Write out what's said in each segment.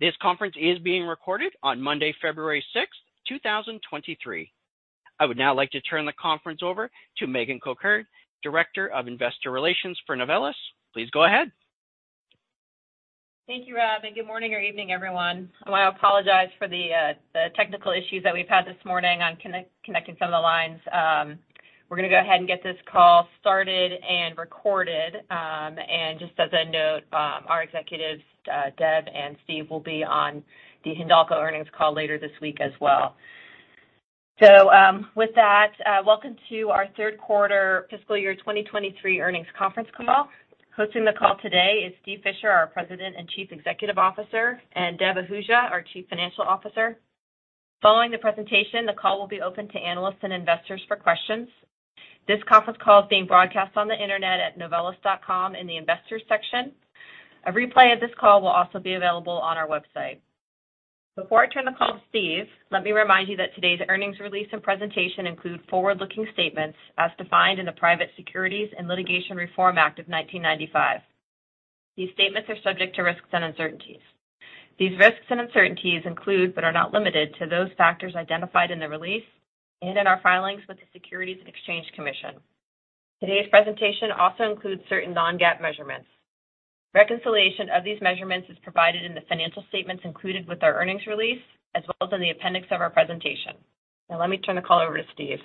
This conference is being recorded on Monday, February 6th, 2023. I would now like to turn the conference over to Megan Cochard, Director of Investor Relations for Novelis. Please go ahead. Thank you, Rob, and good morning or evening, everyone. I want to apologize for the technical issues that we've had this morning on connecting some of the lines. We're gonna go ahead and get this call started and recorded. Just as a note, our executives, Dev and Steve, will be on the Hindalco earnings call later this week as well. With that, welcome to our Third Quarter Fiscal Year 2023 Earnings Conference Call. Hosting the call today is Steve Fisher, our President and Chief Executive Officer, and Dev Ahuja, our Chief Financial Officer. Following the presentation, the call will be open to analysts and investors for questions. This conference call is being broadcast on the internet at novelis.com in the Investors section. A replay of this call will also be available on our website. Before I turn the call to Steve, let me remind you that today's earnings release and presentation include forward-looking statements as defined in the Private Securities and Litigation Reform Act of 1995. These statements are subject to risks and uncertainties. These risks and uncertainties include, but are not limited to, those factors identified in the release and in our filings with the Securities and Exchange Commission. Today's presentation also includes certain non-GAAP measurements. Reconciliation of these measurements is provided in the financial statements included with our earnings release, as well as in the appendix of our presentation. Let me turn the call over to Steve.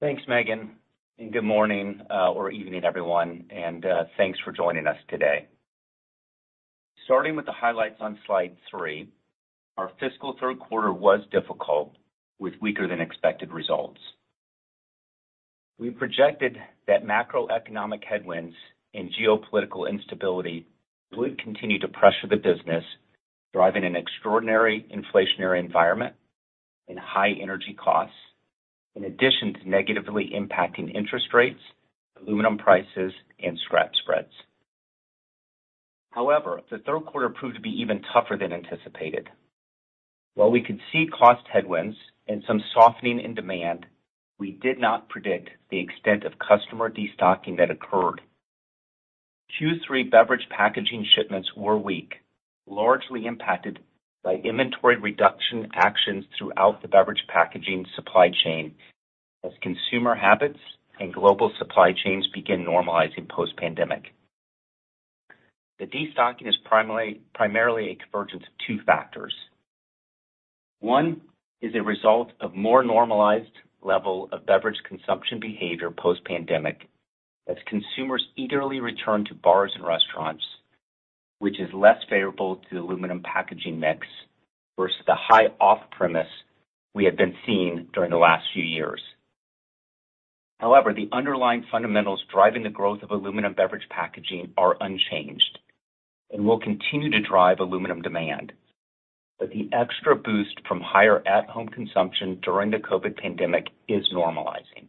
Thanks, Megan. Good morning, or evening, everyone, thanks for joining us today. Starting with the highlights on slide three, our fiscal third quarter was difficult, with weaker than expected results. We projected that macroeconomic headwinds and geopolitical instability would continue to pressure the business, driving an extraordinary inflationary environment and high energy costs, in addition to negatively impacting interest rates, aluminum prices, and scrap spreads. The third quarter proved to be even tougher than anticipated. While we could see cost headwinds and some softening in demand, we did not predict the extent of customer destocking that occurred. Q3 beverage packaging shipments were weak, largely impacted by inventory reduction actions throughout the beverage packaging supply chain, as consumer habits and global supply chains begin normalizing post-pandemic. The destocking is primarily a convergence of two factors. One is a result of more normalized level of beverage consumption behavior post-pandemic, as consumers eagerly return to bars and restaurants, which is less favorable to the aluminum packaging mix versus the high off-premise we have been seeing during the last few years. The underlying fundamentals driving the growth of aluminum beverage packaging are unchanged and will continue to drive aluminum demand, but the extra boost from higher at-home consumption during the COVID pandemic is normalizing.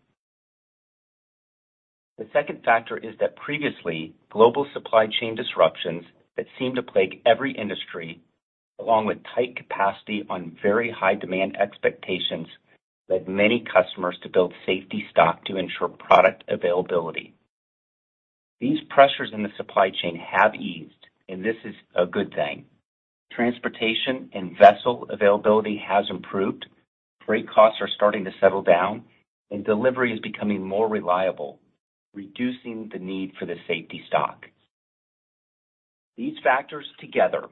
The second factor is that previously, global supply chain disruptions that seemed to plague every industry, along with tight capacity on very high demand expectations, led many customers to build safety stock to ensure product availability. These pressures in the supply chain have eased, this is a good thing. Transportation and vessel availability has improved, freight costs are starting to settle down, and delivery is becoming more reliable, reducing the need for the safety stock. These factors together,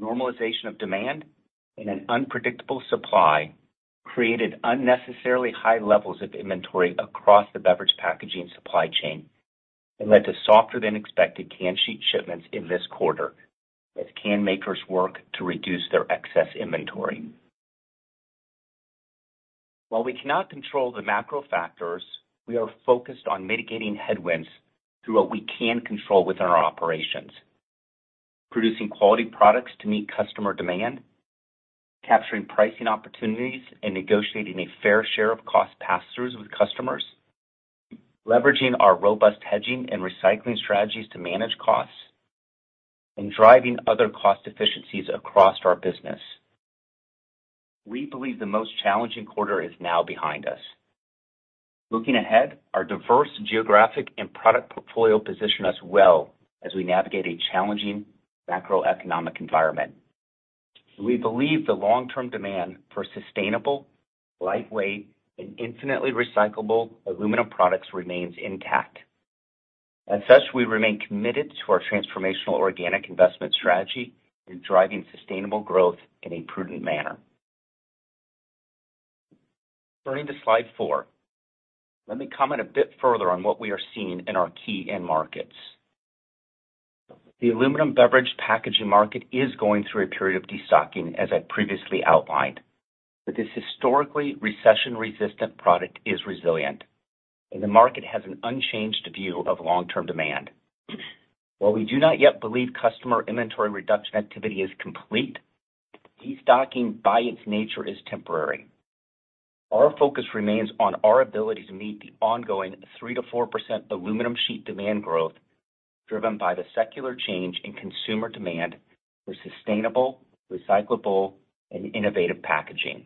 normalization of demand and an unpredictable supply, created unnecessarily high levels of inventory across the beverage packaging supply chain and led to softer than expected can sheet shipments in this quarter, as can makers work to reduce their excess inventory. While we cannot control the macro factors, we are focused on mitigating headwinds through what we can control within our operations, producing quality products to meet customer demand, capturing pricing opportunities, and negotiating a fair share of cost pass-throughs with customers, leveraging our robust hedging and recycling strategies to manage costs, and driving other cost efficiencies across our business. We believe the most challenging quarter is now behind us. Looking ahead, our diverse geographic and product portfolio position us well as we navigate a challenging macroeconomic environment. We believe the long-term demand for sustainable, lightweight, and infinitely recyclable aluminum products remains intact. As such, we remain committed to our transformational organic investment strategy in driving sustainable growth in a prudent manner. Turning to slide four, let me comment a bit further on what we are seeing in our key end markets. The aluminum beverage packaging market is going through a period of destocking, as I previously outlined, but this historically recession-resistant product is resilient, and the market has an unchanged view of long-term demand. While we do not yet believe customer inventory reduction activity is complete, destocking by its nature is temporary. Our focus remains on our ability to meet the ongoing 3%-4% aluminum sheet demand growth, driven by the secular change in consumer demand for sustainable, recyclable, and innovative packaging.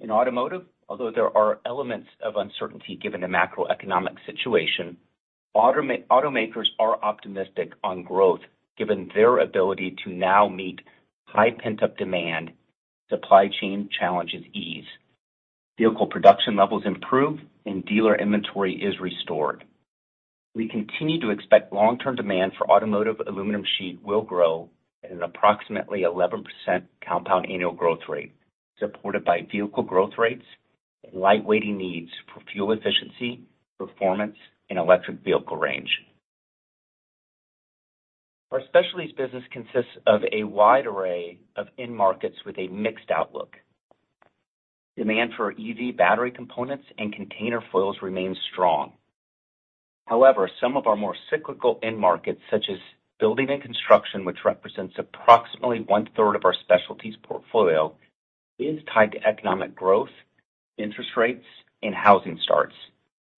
In automotive, although there are elements of uncertainty given the macroeconomic situation, automakers are optimistic on growth, given their ability to now meet high pent-up demand, supply chain challenges ease, vehicle production levels improve, and dealer inventory is restored. We continue to expect long-term demand for automotive aluminum sheet will grow at an approximately 11% compound annual growth rate, supported by vehicle growth rates and lightweighting needs for fuel efficiency, performance, and electric vehicle range. Our specialties business consists of a wide array of end markets with a mixed outlook. Demand for EV battery components and container foils remains strong. However, some of our more cyclical end markets, such as building and construction, which represents approximately one-third of our specialties portfolio, is tied to economic growth, interest rates, and housing starts,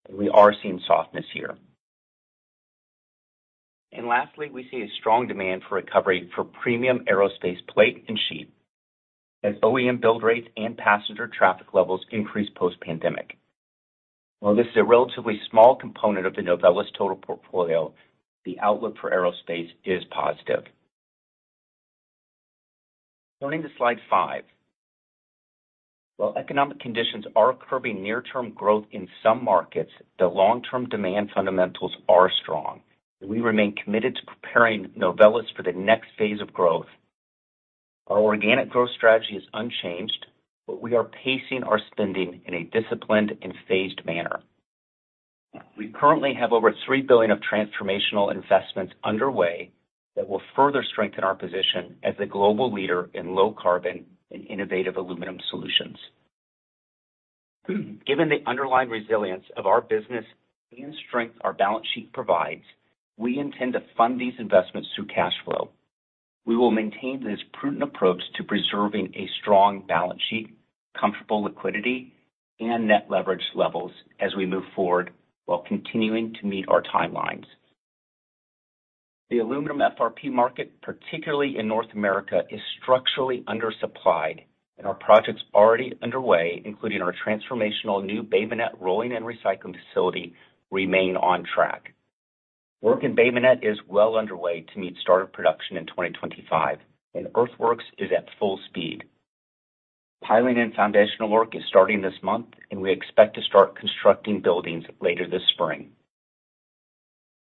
and we are seeing softness here. Lastly, we see a strong demand for recovery for premium aerospace plate and sheet as OEM build rates and passenger traffic levels increase post-pandemic. While this is a relatively small component of the Novelis total portfolio, the outlook for aerospace is positive. Turning to slide five. While economic conditions are curbing near-term growth in some markets, the long-term demand fundamentals are strong, and we remain committed to preparing Novelis for the next phase of growth. Our organic growth strategy is unchanged, we are pacing our spending in a disciplined and phased manner. We currently have over $3 billion of transformational investments underway that will further strengthen our position as the global leader in low carbon and innovative aluminum solutions. Given the underlying resilience of our business and strength our balance sheet provides, we intend to fund these investments through cash flow. We will maintain this prudent approach to preserving a strong balance sheet, comfortable liquidity, and net leverage levels as we move forward, while continuing to meet our timelines. The aluminum FRP market, particularly in North America, is structurally undersupplied, and our projects already underway, including our transformational new Bay Minette rolling and recycling facility, remain on track. Work in Bay Minette is well underway to meet start of production in 2025, and earthworks is at full speed. Piling and foundational work is starting this month, and we expect to start constructing buildings later this spring.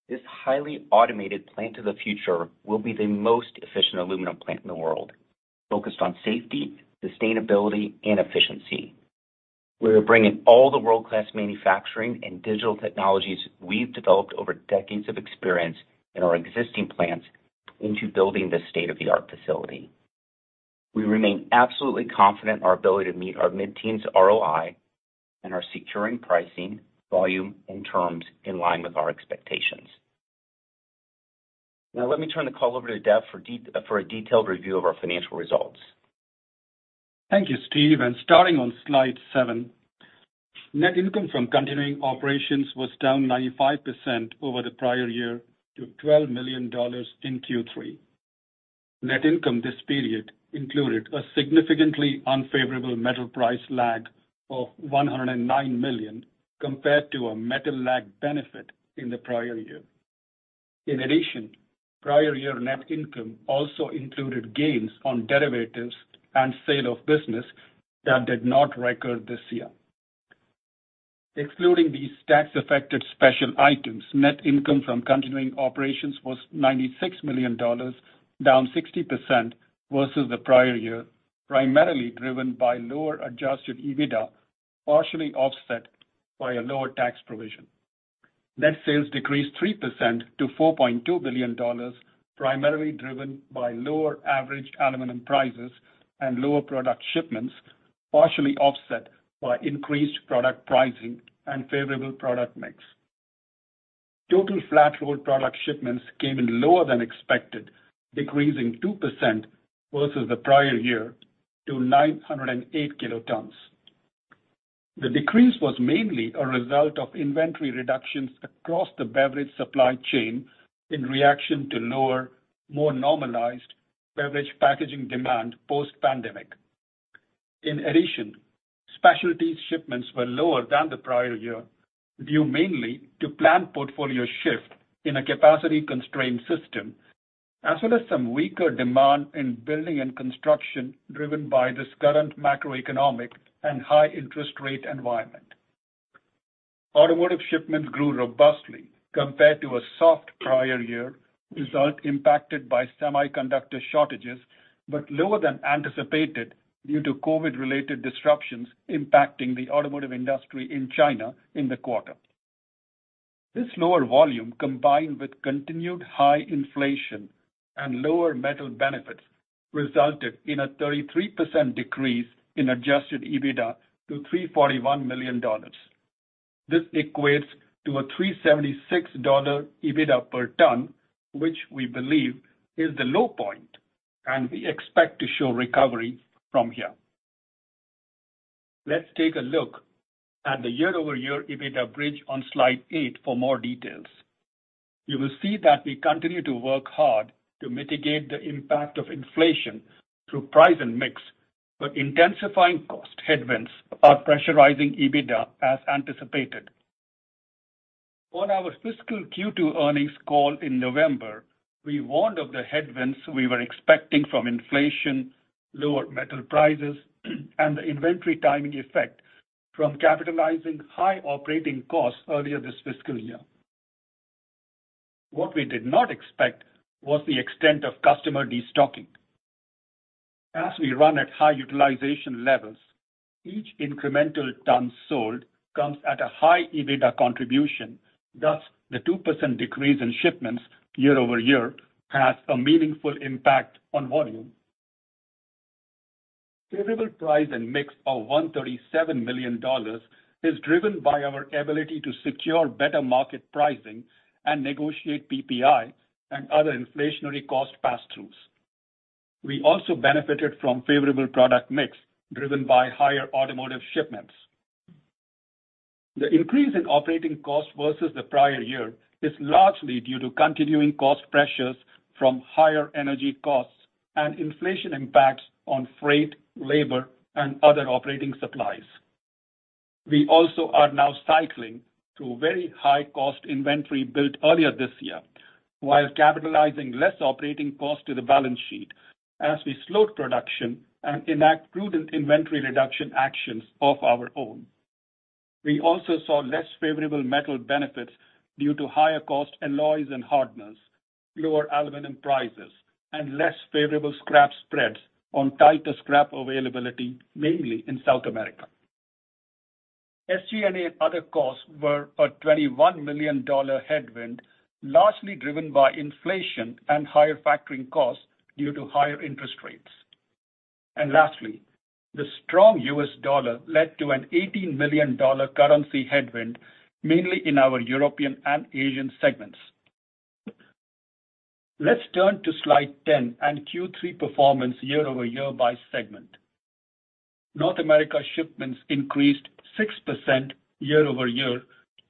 This highly automated plant of the future will be the most efficient aluminum plant in the world, focused on safety, sustainability, and efficiency. We are bringing all the world-class manufacturing and digital technologies we've developed over decades of experience in our existing plants into building this state-of-the-art facility. We remain absolutely confident in our ability to meet our mid-teens ROI and are securing pricing, volume, and terms in line with our expectations. Let me turn the call over to Dev for a detailed review of our financial results. Thank you, Steve, and starting on slide seven, net income from continuing operations was down 95% over the prior year to $12 million in Q3. Net income this period included a significantly unfavorable Metal Price Lag of $109 million, compared to a metal lag benefit in the prior year. In addition, prior year net income also included gains on derivatives and sale of business that did not record this year. Excluding these tax-affected special items, net income from continuing operations was $96 million, down 60% versus the prior year, primarily driven by lower Adjusted EBITDA, partially offset by a lower tax provision. Net sales decreased 3% to $4.2 billion, primarily driven by lower average aluminum prices and lower product shipments, partially offset by increased product pricing and favorable product mix. Total flat roll product shipments came in lower than expected, decreasing 2% versus the prior year to 908 KT. The decrease was mainly a result of inventory reductions across the beverage supply chain in reaction to lower, more normalized beverage packaging demand post-pandemic. Specialties shipments were lower than the prior year, due mainly to plant portfolio shift in a capacity-constrained system, as well as some weaker demand in building and construction, driven by this current macroeconomic and high interest rate environment. Automotive shipments grew robustly compared to a soft prior year, result impacted by semiconductor shortages, but lower than anticipated due to COVID-related disruptions impacting the automotive industry in China in the quarter. This lower volume, combined with continued high inflation and lower metal benefits, resulted in a 33% decrease in Adjusted EBITDA to $341 million. This equates to a 376 EBITDA per ton, which we believe is the low point. We expect to show recovery from here. Let's take a look at the year-over-year EBITDA bridge on slide eight for more details. You will see that we continue to work hard to mitigate the impact of inflation through price and mix, intensifying cost headwinds are pressurizing EBITDA as anticipated. On our fiscal Q2 earnings call in November, we warned of the headwinds we were expecting from inflation, lower metal prices, and the inventory timing effect from capitalizing high operating costs earlier this fiscal year. What we did not expect was the extent of customer destocking. As we run at high utilization levels, each incremental ton sold comes at a high EBITDA contribution. Thus, the 2% decrease in shipments year-over-year has a meaningful impact on volume. Favorable price and mix of $137 million is driven by our ability to secure better market pricing and negotiate PPI and other inflationary cost pass-throughs. We also benefited from favorable product mix, driven by higher automotive shipments. The increase in operating costs versus the prior year is largely due to continuing cost pressures from higher energy costs and inflation impacts on freight, labor, and other operating supplies. We also are now cycling through very high cost inventory built earlier this year, while capitalizing less operating costs to the balance sheet as we slowed production and enact prudent inventory reduction actions of our own. We also saw less favorable metal benefits due to higher cost alloys and hardness, lower aluminum prices, and less favorable scrap spreads on tighter scrap availability, mainly in South America. SG&A other costs were a $21 million headwind, largely driven by inflation and higher factoring costs due to higher interest rates. Lastly, the strong U.S. dollar led to an $18 million currency headwind, mainly in our European and Asian segments. Let's turn to slide 10 and Q3 performance year-over-year by segment. North America shipments increased 6% year-over-year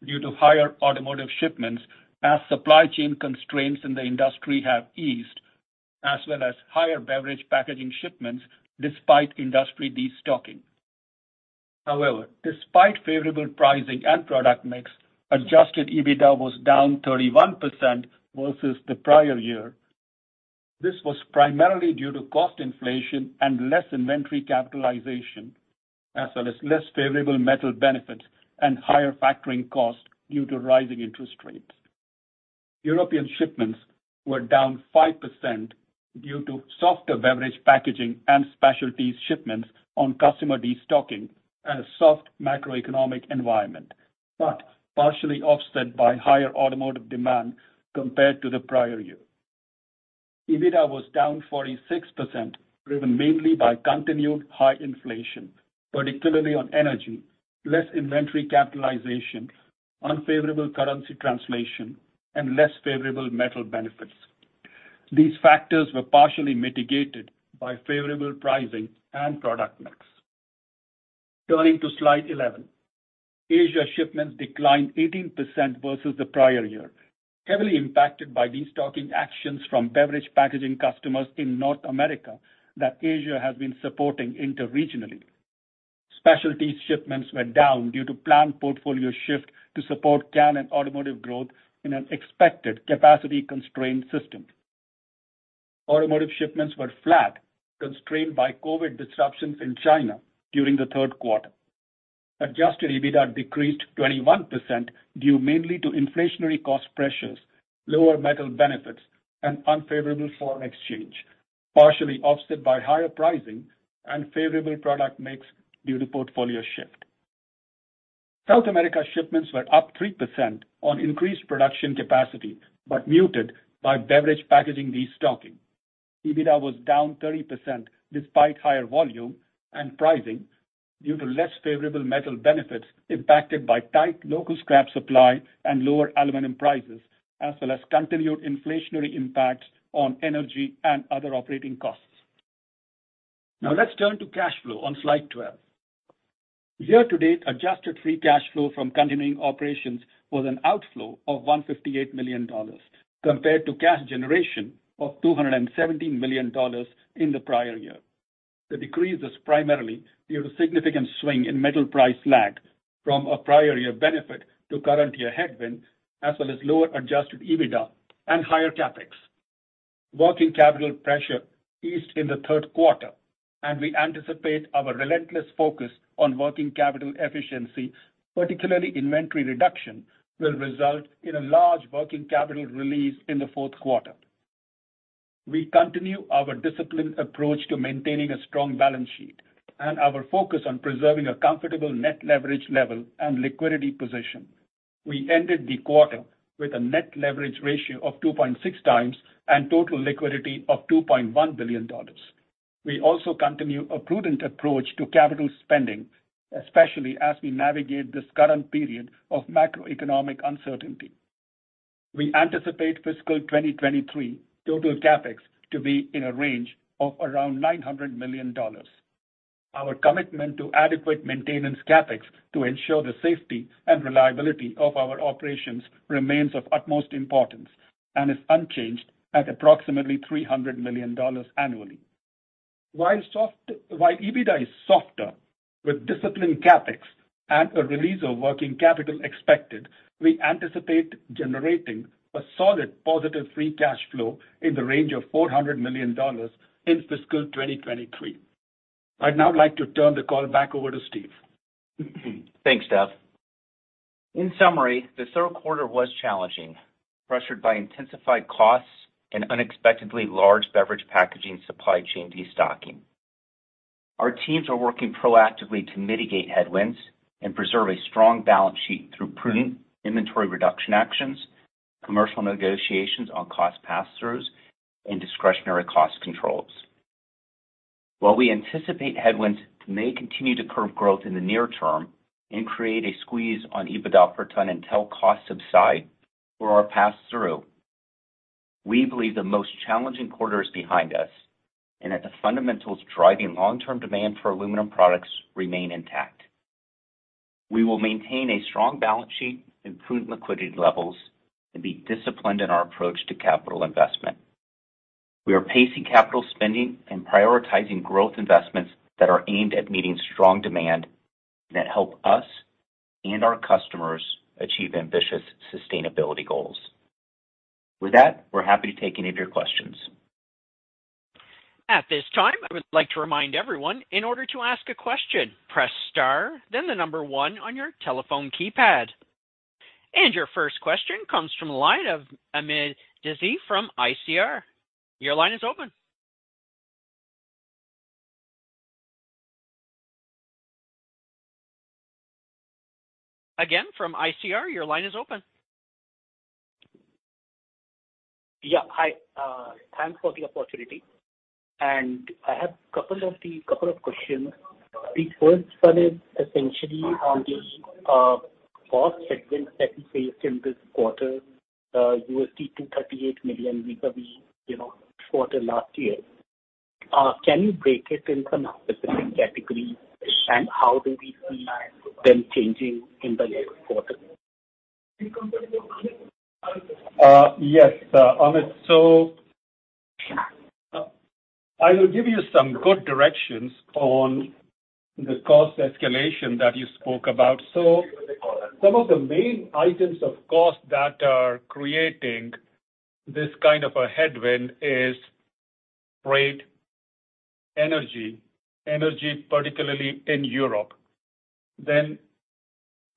due to higher automotive shipments, as supply chain constraints in the industry have eased, as well as higher beverage packaging shipments despite industry destocking. However, despite favorable pricing and product mix, Adjusted EBITDA was down 31% versus the prior year. This was primarily due to cost inflation and less inventory capitalization, as well as less favorable metal benefits and higher factoring costs due to rising interest rates. European shipments were down 5% due to softer beverage packaging and specialties shipments on customer destocking and a soft macroeconomic environment, but partially offset by higher automotive demand compared to the prior year. EBITDA was down 46%, driven mainly by continued high inflation, particularly on energy, less inventory capitalization, unfavorable currency translation, and less favorable metal benefits. These factors were partially mitigated by favorable pricing and product mix. Turning to slide 11. Asia shipments declined 18% versus the prior year, heavily impacted by destocking actions from beverage packaging customers in North America, that Asia has been supporting interregionally. Specialties shipments were down due to planned portfolio shift to support can and automotive growth in an expected capacity-constrained system. Automotive shipments were flat, constrained by COVID disruptions in China during the third quarter. Adjusted EBITDA decreased 21%, due mainly to inflationary cost pressures, lower metal benefits, and unfavorable foreign exchange, partially offset by higher pricing and favorable product mix due to portfolio shift. South America shipments were up 3% on increased production capacity, but muted by beverage packaging destocking. EBITDA was down 30% despite higher volume and pricing, due to less favorable metal benefits impacted by tight local scrap supply and lower aluminum prices, as well as continued inflationary impacts on energy and other operating costs. Let's turn to cash flow on slide 12. Year to date, Adjusted Free Cash Flow from continuing operations was an outflow of $158 million, compared to cash generation of $217 million in the prior year. The decrease is primarily due to a significant swing in Metal Price Lag from a prior year benefit to current year headwind, as well as lower Adjusted EBITDA and higher CapEx. Working capital pressure eased in the third quarter. We anticipate our relentless focus on working capital efficiency, particularly inventory reduction, will result in a large working capital release in the fourth quarter. We continue our disciplined approach to maintaining a strong balance sheet and our focus on preserving a comfortable Net Leverage level and liquidity position. We ended the quarter with a Net Leverage Ratio of 2.6x and total liquidity of $2.1 billion. We also continue a prudent approach to capital spending, especially as we navigate this current period of macroeconomic uncertainty. We anticipate fiscal 2023 total CapEx to be in a range of around $900 million. Our commitment to adequate maintenance CapEx to ensure the safety and reliability of our operations remains of utmost importance and is unchanged at approximately $300 million annually. While EBITDA is softer, with disciplined CapEx and a release of working capital expected, we anticipate generating a solid positive free cash flow in the range of $400 million in fiscal 2023. I'd now like to turn the call back over to Steve. Thanks, Dev. In summary, the third quarter was challenging, pressured by intensified costs and unexpectedly large beverage packaging supply chain destocking. Our teams are working proactively to mitigate headwinds and preserve a strong balance sheet through prudent inventory reduction actions, commercial negotiations on cost pass-throughs, and discretionary cost controls. While we anticipate headwinds may continue to curb growth in the near term and create a squeeze on EBITDA per ton until costs subside or are passed through, we believe the most challenging quarter is behind us, and that the fundamentals driving long-term demand for aluminum products remain intact. We will maintain a strong balance sheet, improve liquidity levels, and be disciplined in our approach to capital investment. We are pacing capital spending and prioritizing growth investments that are aimed at meeting strong demand that help us and our customers achieve ambitious sustainability goals. With that, we're happy to take any of your questions. At this time, I would like to remind everyone, in order to ask a question, press star, then one on your telephone keypad. Your first question comes from the line of Amit Dixit from ICR. Your line is open. Again, from ICR, your line is open. Yeah, hi, thanks for the opportunity. I have a couple of questions. The first one is essentially on the cost segment that you faced in this quarter, $238 million vis-a-vis, you know, quarter last year. Can you break it into some specific categories, and how do we see them changing in the next quarter? Yes, Amit Dixit. I will give you some good directions on the cost escalation that you spoke about. Some of the main items of cost that are creating this kind of a headwind is freight, energy, particularly in Europe.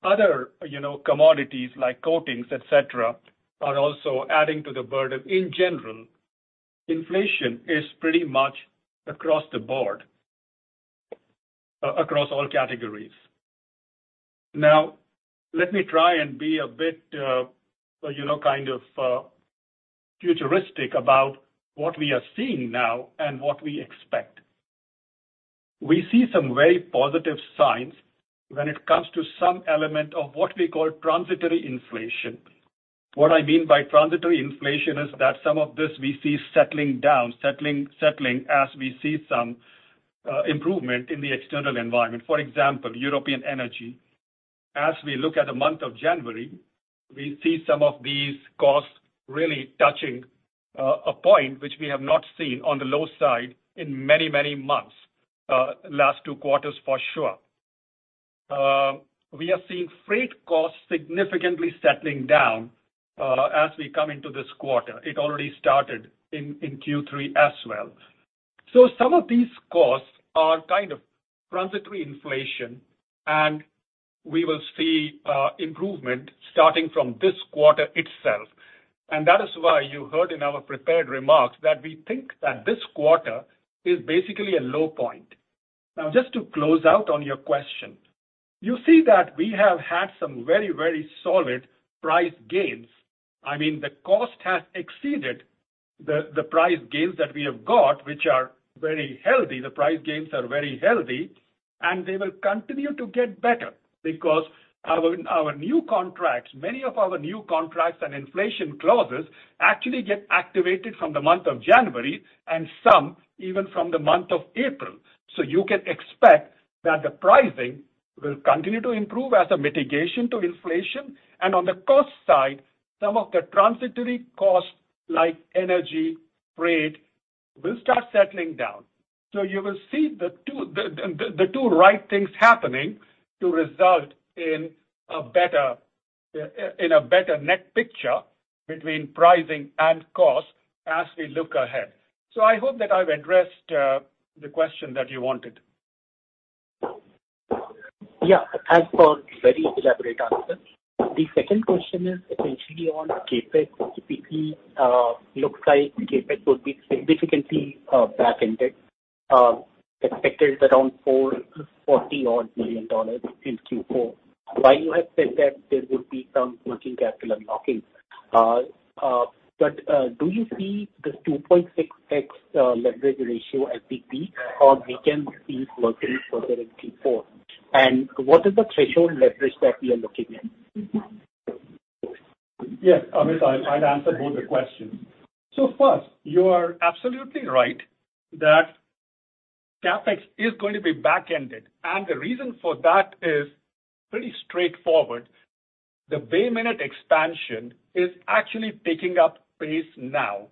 Other, you know, commodities like coatings, et cetera, are also adding to the burden. In general, inflation is pretty much across the board, across all categories. Let me try and be a bit, you know, kind of, futuristic about what we are seeing now and what we expect. We see some very positive signs when it comes to some element of what we call transitory inflation. What I mean by transitory inflation is that some of this we see settling down, settling as we see some improvement in the external environment, for example, European energy. As we look at the month of January, we see some of these costs really touching a point which we have not seen on the low side in many, many months, last two quarters for sure. We are seeing freight costs significantly settling down as we come into this quarter. It already started in Q3 as well. Some of these costs are kind of transitory inflation, and we will see improvement starting from this quarter itself. That is why you heard in our prepared remarks that we think that this quarter is basically a low point. Just to close out on your question, you see that we have had some very, very solid price gains. I mean, the cost has exceeded the price gains that we have got, which are very healthy. The price gains are very healthy, and they will continue to get better because our new contracts, many of our new contracts and inflation clauses actually get activated from the month of January and some even from the month of April. You can expect that the pricing will continue to improve as a mitigation to inflation, and on the cost side, some of the transitory costs, like energy, freight, will start settling down. You will see the two right things happening to result in a better in a better net picture between pricing and cost as we look ahead. I hope that I've addressed the question that you wanted. Thanks for very elaborate answer. The second question is essentially on CapEx. Typically, looks like CapEx would be significantly back-ended, expected around $40 odd billion in Q4. While you have said that there will be some working capital unlocking, do you see this 2.6x leverage ratio as the peak, or we can see it working further in Q4? What is the threshold leverage that we are looking at?... Yes, Amit, I'll answer both the questions. First, you are absolutely right that CapEx is going to be back-ended, and the reason for that is pretty straightforward. The Bay Minette expansion is actually picking up pace now,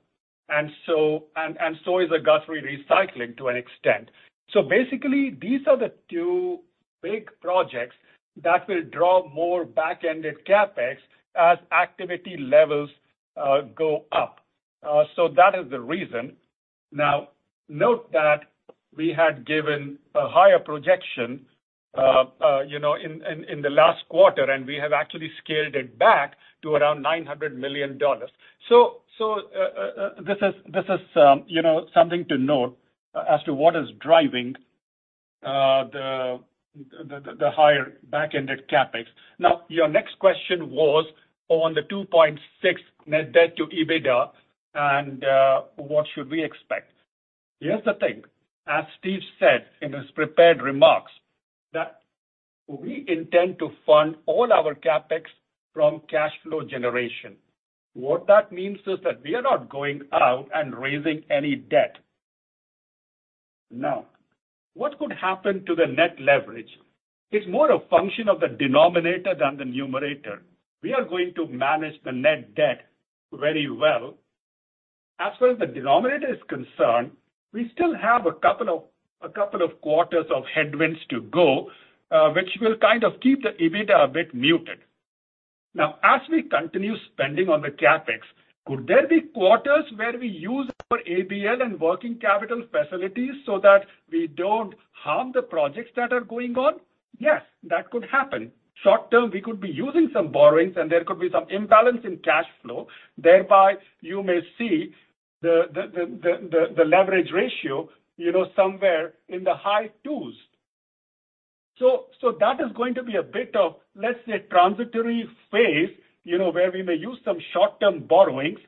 and so is the Guthrie Recycling to an extent. Basically, these are the two big projects that will draw more back-ended CapEx as activity levels go up. That is the reason. Note that we had given a higher projection, you know, in the last quarter, and we have actually scaled it back to around $900 million. This is, you know, something to note as to what is driving the higher back-ended CapEx. Your next question was on the 2.6 net debt to EBITDA, and what should we expect? Here's the thing: as Steve said in his prepared remarks, that we intend to fund all our CapEx from cash flow generation. What that means is that we are not going out and raising any debt. What could happen to the net leverage is more a function of the denominator than the numerator. We are going to manage the net debt very well. As far as the denominator is concerned, we still have a couple of quarters of headwinds to go, which will kind of keep the EBITDA a bit muted. As we continue spending on the CapEx, could there be quarters where we use our ABL and working capital facilities so that we don't harm the projects that are going on? Yes, that could happen. Short term, we could be using some borrowings, and there could be some imbalance in cash flow. Thereby, you may see the leverage ratio, you know, somewhere in the high twos. That is going to be a bit of, let's say, transitory phase, you know, where we may use some short-term borrowings.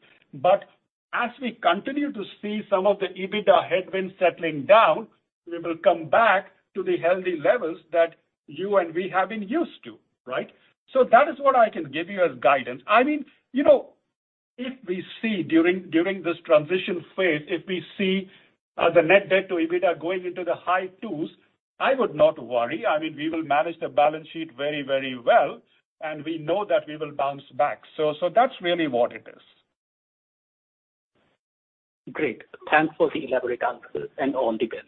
As we continue to see some of the EBITDA headwinds settling down, we will come back to the healthy levels that you and we have been used to, right? That is what I can give you as guidance. I mean, you know, if we see during this transition phase, if we see the net debt to EBITDA going into the high twos, I would not worry. I mean, we will manage the balance sheet very, very well, and we know that we will bounce back. That's really what it is. Great. Thanks for the elaborate answer and all the best.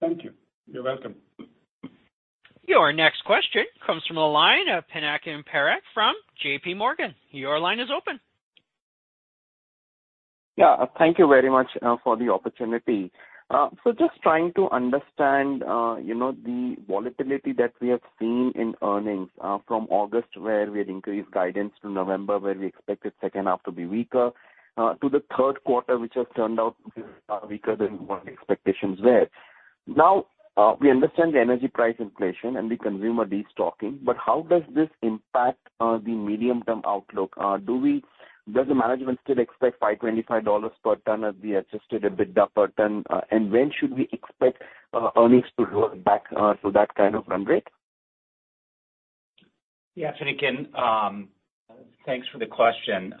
Thank you. You're welcome. Your next question comes from the line of Pinakin Parekh from J.P. Morgan. Your line is open. Yeah, thank you very much for the opportunity. So just trying to understand, you know, the volatility that we have seen in earnings from August, where we had increased guidance to November, where we expected second half to be weaker, to the third quarter, which has turned out weaker than what the expectations were. Now, we understand the energy price inflation and the consumer destocking, but how does this impact the medium-term outlook? Does the management still expect $525 per ton as we Adjusted EBITDA per ton? And when should we expect earnings to go back to that kind of run rate? Pinakin, thanks for the question.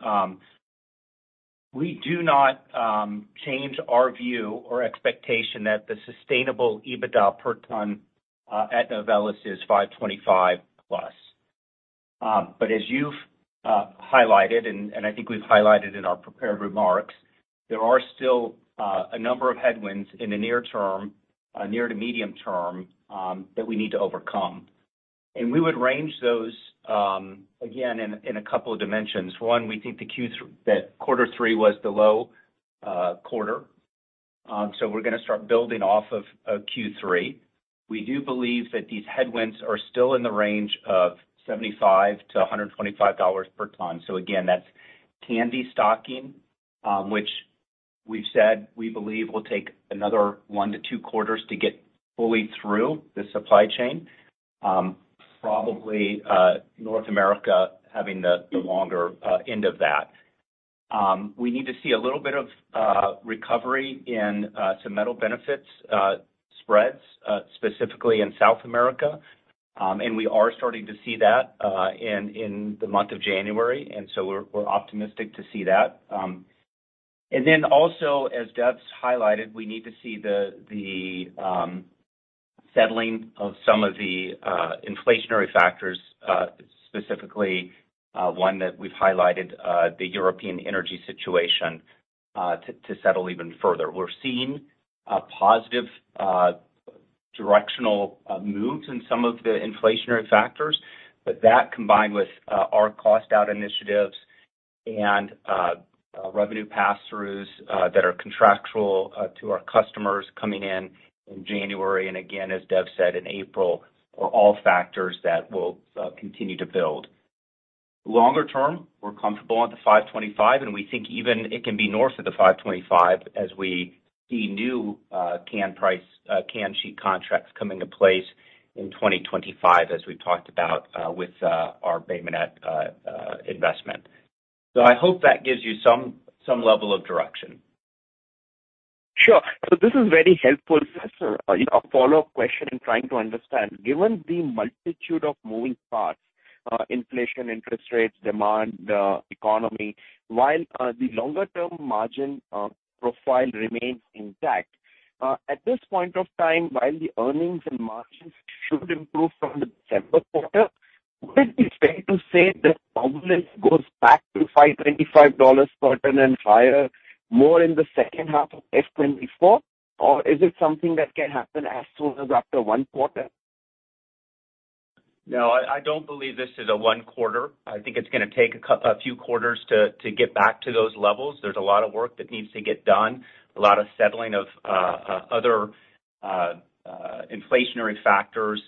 We do not change our view or expectation that the sustainable EBITDA per ton at Novelis is 525+. But as you've highlighted, and I think we've highlighted in our prepared remarks, there are still a number of headwinds in the near term, near to medium term that we need to overcome. We would range those again, in a couple of dimensions. One, we think that quarter three was the low quarter. So we're going to start building off of Q3. We do believe that these headwinds are still in the range of $75-$125 per ton. Again, that's candy stocking, which we've said we believe will take another one to two quarters to get fully through the supply chain. Probably, North America having the longer end of that. We need to see a little bit of recovery in some metal benefits, spreads, specifically in South America. We are starting to see that in the month of January, we're optimistic to see that. As Dev's highlighted, we need to see the settling of some of the inflationary factors, specifically one that we've highlighted, the European energy situation, to settle even further. We're seeing positive directional moves in some of the inflationary factors, but that, combined with our cost out initiatives and revenue pass-throughs that are contractual to our customers coming in in January, and again, as Dev said, in April, are all factors that will continue to build. Longer term, we're comfortable on the $525, and we think even it can be north of the $525 as we see new can price can sheet contracts coming in place in 2025, as we've talked about with our Bay Minette investment. I hope that gives you some level of direction. Sure. This is very helpful, sir. You know, a follow-up question in trying to understand. Given the multitude of moving parts, inflation, interest rates, demand, economy, while the longer-term margin profile remains intact. At this point of time, while the earnings and margins should improve from the December quarter, would it be fair to say that volume goes back to $525 per ton and higher, more in the second half of FY 2024? Or is it something that can happen as soon as after one quarter? No, I don't believe this is a one quarter. I think it's gonna take a few quarters to get back to those levels. There's a lot of work that needs to get done, a lot of settling of other inflationary factors.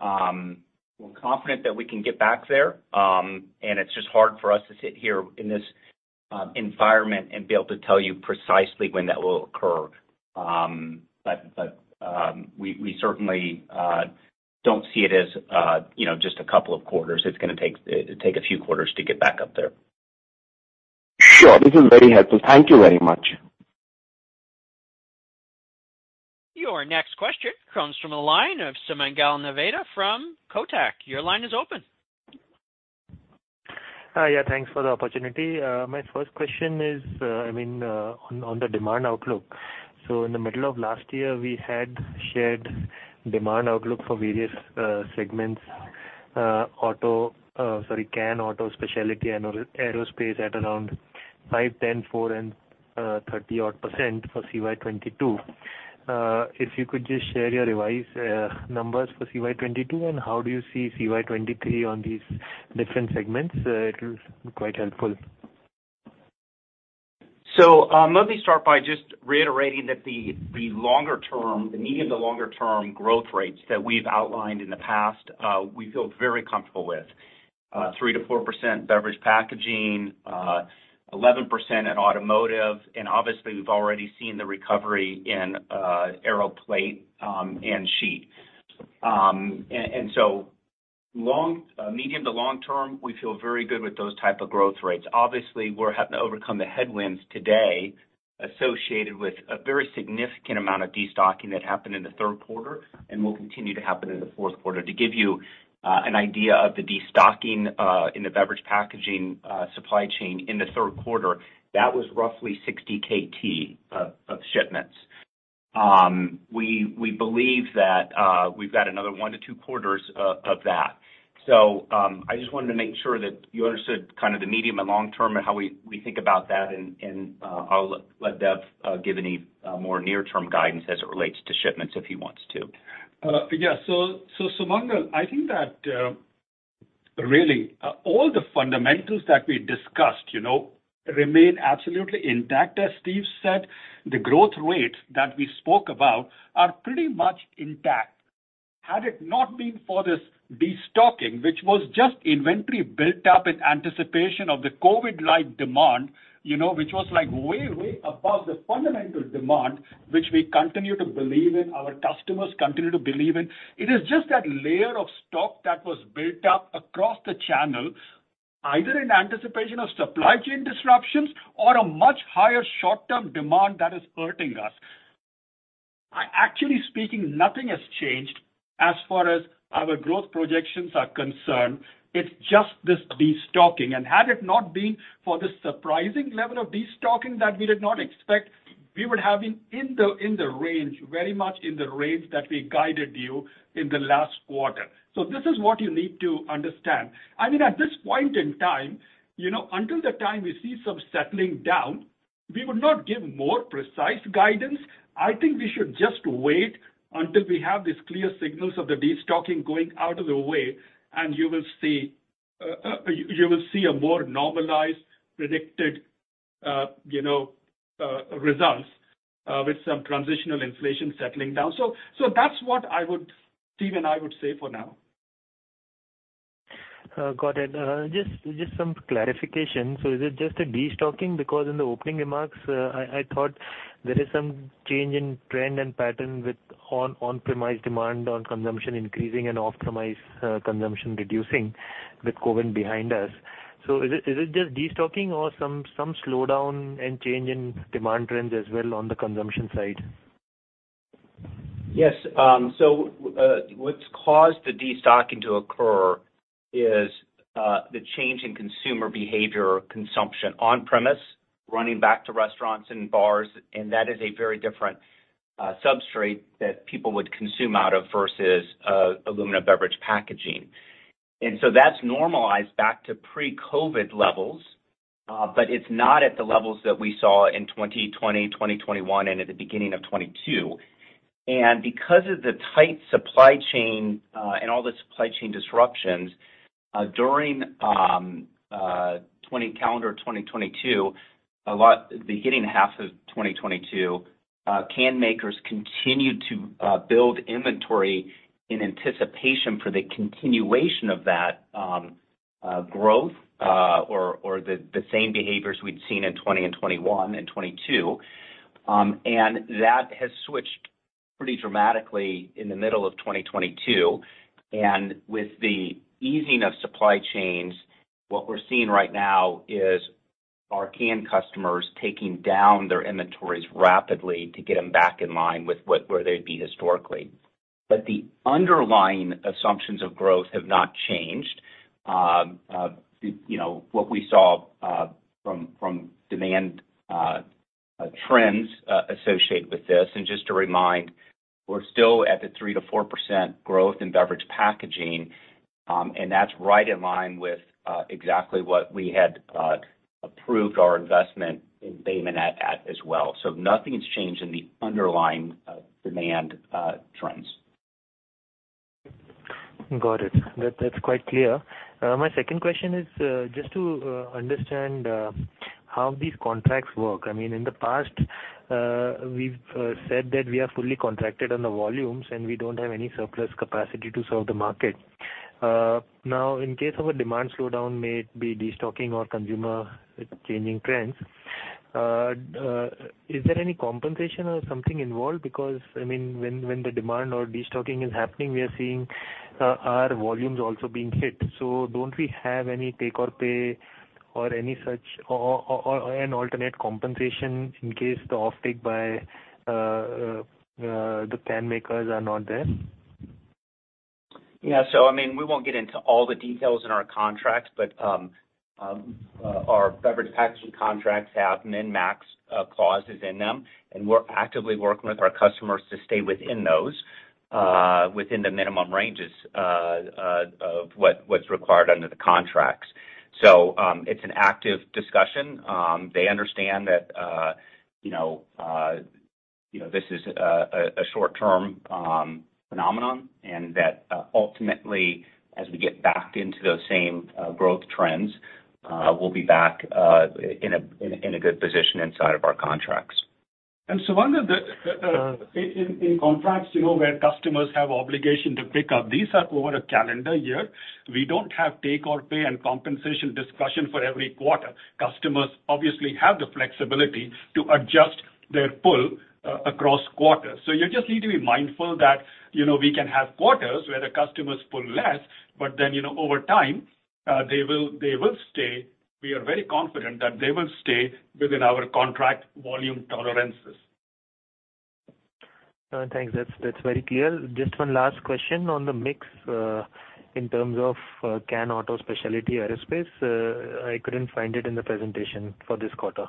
We're confident that we can get back there. It's just hard for us to sit here in this environment and be able to tell you precisely when that will occur. We certainly don't see it as, you know, just a couple of quarters. It's gonna take a few quarters to get back up there. Sure. This is very helpful. Thank you very much. Your next question comes from the line of Sumangal Nevatia from Kotak. Your line is open. Yeah, thanks for the opportunity. My first question is, I mean, on the demand outlook. In the middle of last year, we had shared demand outlook for various segments, auto, sorry, can, auto, specialty, and aero-aerospace at around 5%, 10%, 4%, and 30 odd percent for CY 2022. If you could just share your revised numbers for CY 2022, and how do you see CY 2023 on these different segments? It will be quite helpful. Let me start by just reiterating that the longer term, the medium to longer term growth rates that we've outlined in the past, we feel very comfortable with. 3%-4% beverage packaging, 11% in automotive, and obviously, we've already seen the recovery in aero plate and sheet. Medium to long term, we feel very good with those type of growth rates. Obviously, we're having to overcome the headwinds today, associated with a very significant amount of destocking that happened in the third quarter and will continue to happen in the fourth quarter. To give you an idea of the destocking in the beverage packaging supply chain in the third quarter, that was roughly 60 KT of shipments. We believe that we've got another one to two quarters of that. I just wanted to make sure that you understood kind of the medium and long term and how we think about that, and I'll let Dev give any more near-term guidance as it relates to shipments, if he wants to. Yeah. Sumangal, I think that, really, all the fundamentals that we discussed, you know, remain absolutely intact, as Steve said. The growth rates that we spoke about are pretty much intact. Had it not been for this destocking, which was just inventory built up in anticipation of the COVID-like demand, you know, which was like way above the fundamental demand, which we continue to believe in, our customers continue to believe in. It is just that layer of stock that was built up across the channel, either in anticipation of supply chain disruptions or a much higher short-term demand that is hurting us. Actually speaking, nothing has changed as far as our growth projections are concerned. It's just this destocking. had it not been for the surprising level of destocking that we did not expect, we would have been in the range, very much in the range that we guided you in the last quarter. This is what you need to understand. I mean, at this point in time, you know, until the time we see some settling down, we will not give more precise guidance. I think we should just wait until we have these clear signals of the destocking going out of the way, and you will see a more normalized, predicted, you know, results, with some transitional inflation settling down. That's what I would, Steve and I would say for now. Got it. Just some clarification. Is it just a destocking? Because in the opening remarks, I thought there is some change in trend and pattern with on-premise demand on consumption increasing and off-premise consumption reducing, with COVID behind us. Is it just destocking or some slowdown and change in demand trends as well on the consumption side? Yes. so, what's caused the destocking to occur is the change in consumer behavior or consumption on-premise, running back to restaurants and bars, and that is a very different substrate that people would consume out of versus aluminum beverage packaging. That's normalized back to pre-COVID levels, but it's not at the levels that we saw in 2020, 2021, and at the beginning of 2022. Because of the tight supply chain, and all the supply chain disruptions, during calendar 2022, the beginning half of 2022, can makers continued to build inventory in anticipation for the continuation of that growth, or the same behaviors we'd seen in 2020 and 2021 and 2022. That has switched pretty dramatically in the middle of 2022. With the easing of supply chains, what we're seeing right now is our can customers taking down their inventories rapidly to get them back in line with where they'd be historically. The underlying assumptions of growth have not changed. you know, what we saw from demand trends associated with this, and just to remind, we're still at the 3%-4% growth in beverage packaging, and that's right in line with exactly what we had approved our investment in Bay Minette at as well. Nothing's changed in the underlying demand trends. Got it. That's quite clear. My second question is, just to understand how these contracts work. I mean, in the past, we've said that we are fully contracted on the volumes, and we don't have any surplus capacity to serve the market. Now, in case of a demand slowdown, may it be destocking or consumer changing trends, is there any compensation or something involved? Because, I mean, when the demand or destocking is happening, we are seeing, our volumes also being hit. Don't we have any take-or-pay or any such or and alternate compensation in case the offtake by the can makers are not there? Yeah. I mean, we won't get into all the details in our contracts, but our beverage packaging contracts have min-max clauses in them, and we're actively working with our customers to stay within those within the minimum ranges of what's required under the contracts. It's an active discussion. They understand that, you know, you know, this is a short-term phenomenon, and that ultimately, as we get back into those same growth trends, we'll be back in a good position inside of our contracts. One of the contracts, you know, where customers have obligation to pick up, these are over a calendar year. We don't have take-or-pay and compensation discussion for every quarter. Customers obviously have the flexibility to adjust their pull across quarters. You just need to be mindful that, you know, we can have quarters where the customers pull less, but then, you know, over time, they will stay. We are very confident that they will stay within our contract volume tolerances. Thanks. That's very clear. Just one last question on the mix, in terms of can, auto, specialty, aerospace. I couldn't find it in the presentation for this quarter.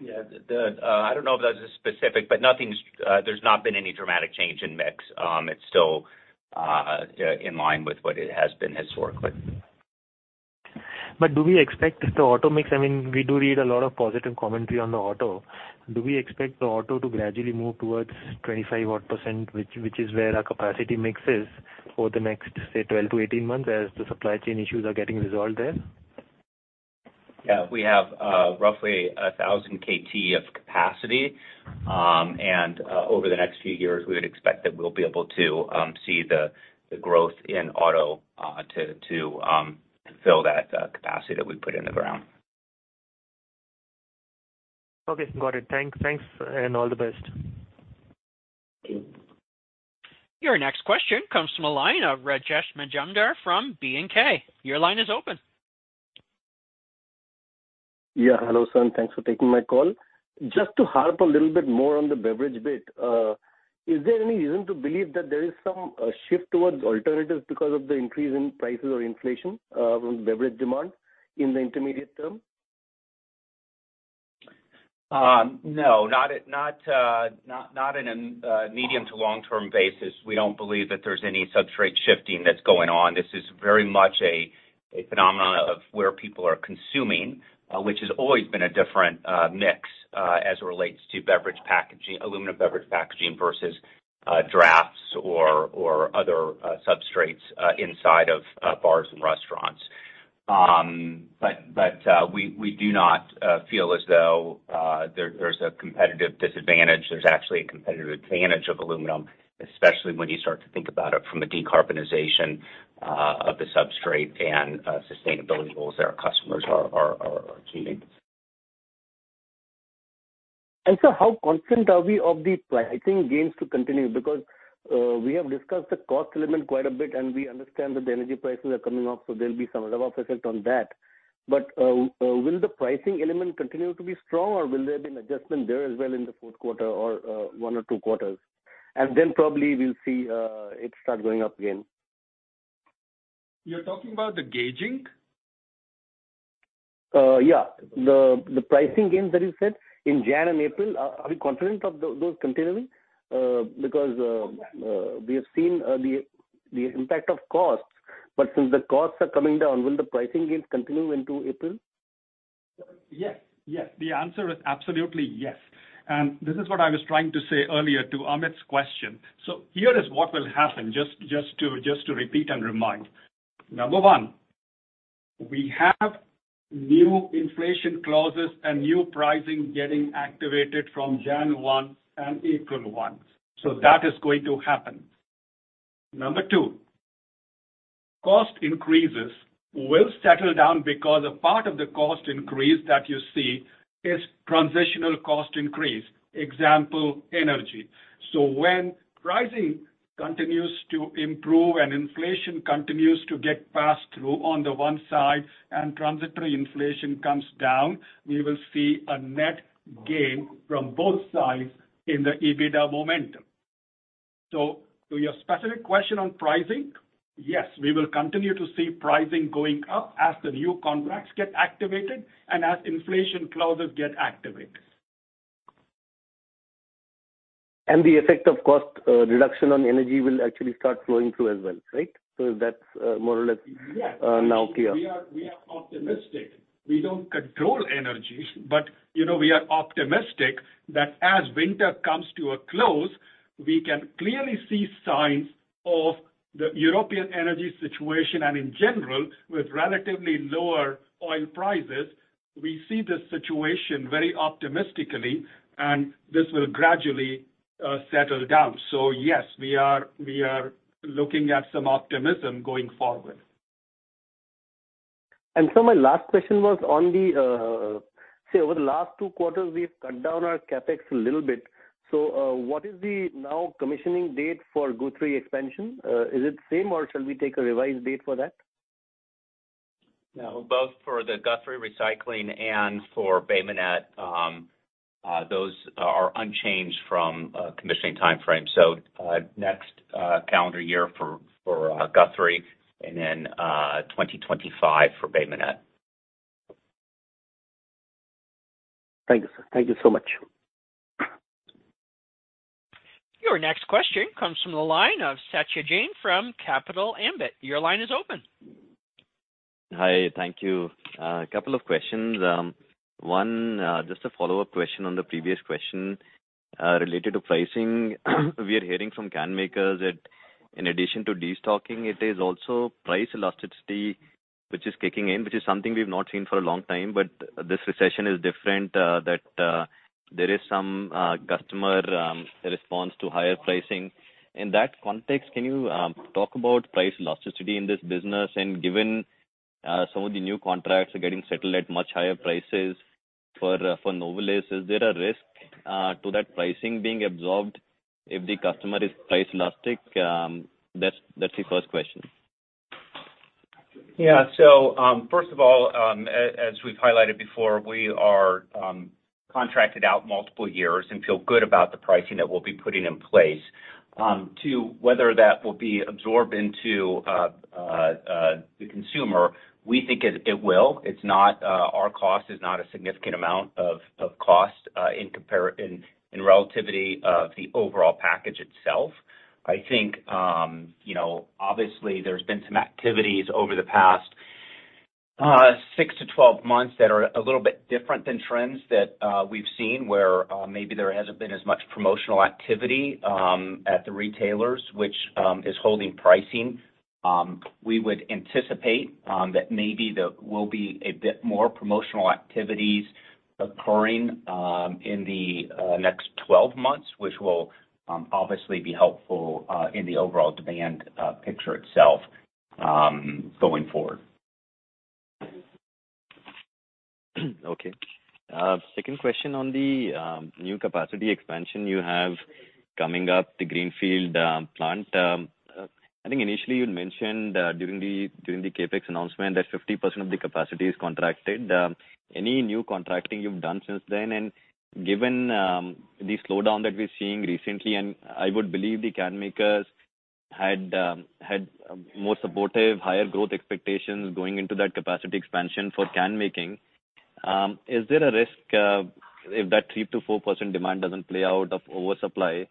Yeah. The, I don't know if that's specific, but nothing's, there's not been any dramatic change in mix. It's still in line with what it has been historically. Do we expect the auto mix? I mean, we do read a lot of positive commentary on the auto. Do we expect the auto to gradually move towards 25% odd, which is where our capacity mix is, for the next, say, 12 to 18 months, as the supply chain issues are getting resolved there? Yeah. We have roughly 1,000 KT of capacity. Over the next few years, we would expect that we'll be able to see the growth in auto to fill that capacity that we put in the ground. Okay, got it. Thanks, thanks, and all the best. Your next question comes from the line of Rajesh Majumdar from B&K. Your line is open. Yeah. Hello, sir, and thanks for taking my call. Just to harp a little bit more on the beverage bit, is there any reason to believe that there is some shift towards alternatives because of the increase in prices or inflation on beverage demand in the intermediate term? No, not at, not in a medium to long-term basis. We don't believe that there's any substrate shifting that's going on. This is very much a phenomenon of where people are consuming, which has always been a different mix, as it relates to beverage packaging, aluminum beverage packaging versus drafts or other substrates, inside of bars and restaurants. We do not feel as though there's a competitive disadvantage. There's actually a competitive advantage of aluminum, especially when you start to think about it from a decarbonization of the substrate and sustainability goals that our customers are achieving. How confident are we of the pricing gains to continue? We have discussed the cost element quite a bit, and we understand that the energy prices are coming off, so there'll be some lag effect on that. Will the pricing element continue to be strong, or will there be an adjustment there as well in the fourth quarter or one or two quarters, and then probably we'll see it start going up again? You're talking about the gauging? Yeah. The pricing gains that you said in January and April, are we confident of those continuing? We have seen the impact of costs, but since the costs are coming down, will the pricing gains continue into April? Yes, yes. The answer is absolutely yes. This is what I was trying to say earlier to Amit's question. Here is what will happen, just to repeat and remind. Number one, we have new inflation clauses and new pricing getting activated from Jan 1 and April 1. That is going to happen. Number two. Cost increases will settle down because a part of the cost increase that you see is transitional cost increase. Example, energy. When pricing continues to improve and inflation continues to get passed through on the one side and transitory inflation comes down, we will see a net gain from both sides in the EBITDA momentum. To your specific question on pricing, yes, we will continue to see pricing going up as the new contracts get activated and as inflation clauses get activated. The effect of cost, reduction on energy will actually start flowing through as well, right? That's, more or less. Yes. now clear. We are optimistic. We don't control energy, you know, we are optimistic that as winter comes to a close, we can clearly see signs of the European energy situation. In general, with relatively lower oil prices, we see this situation very optimistically. This will gradually settle down. Yes, we are looking at some optimism going forward. My last question was on the over the last two quarters, we've cut down our CapEx a little bit. What is the now commissioning date for Guthrie expansion? Is it the same, or shall we take a revised date for that? Both for the Guthrie recycling and for Bay Minette, those are unchanged from commissioning time frame. Next calendar year for for Guthrie, and then 2025 for Bay Minette. Thanks. Thank you so much. Your next question comes from the line of Satyadeep Jain from Ambit Capital. Your line is open. Hi, thank you. A couple of questions. One, just a follow-up question on the previous question, related to pricing. We are hearing from can makers that in addition to destocking, it is also price elasticity, which is kicking in, which is something we've not seen for a long time. This recession is different, that there is some customer response to higher pricing. In that context, can you talk about price elasticity in this business? Given, some of the new contracts are getting settled at much higher prices for Novelis, is there a risk to that pricing being absorbed if the customer is price elastic? That's the first question. Yeah. First of all, as we've highlighted before, we are contracted out multiple years and feel good about the pricing that we'll be putting in place. Two, whether that will be absorbed into the consumer, we think it will. Our cost is not a significant amount of cost in relativity of the overall package itself. I think, you know, obviously, there's been some activities over the past 6-12 months that are a little bit different than trends that we've seen, where maybe there hasn't been as much promotional activity at the retailers, which is holding pricing. We would anticipate that maybe there will be a bit more promotional activities occurring in the next 12 months, which will obviously be helpful in the overall demand picture itself going forward. Okay. Second question on the new capacity expansion you have coming up, the greenfield plant. I think initially you'd mentioned during the CapEx announcement that 50% of the capacity is contracted. Any new contracting you've done since then? Given the slowdown that we're seeing recently, and I would believe the can makers had more supportive, higher growth expectations going into that capacity expansion for can making, is there a risk if that 3%-4% demand doesn't play out of oversupply?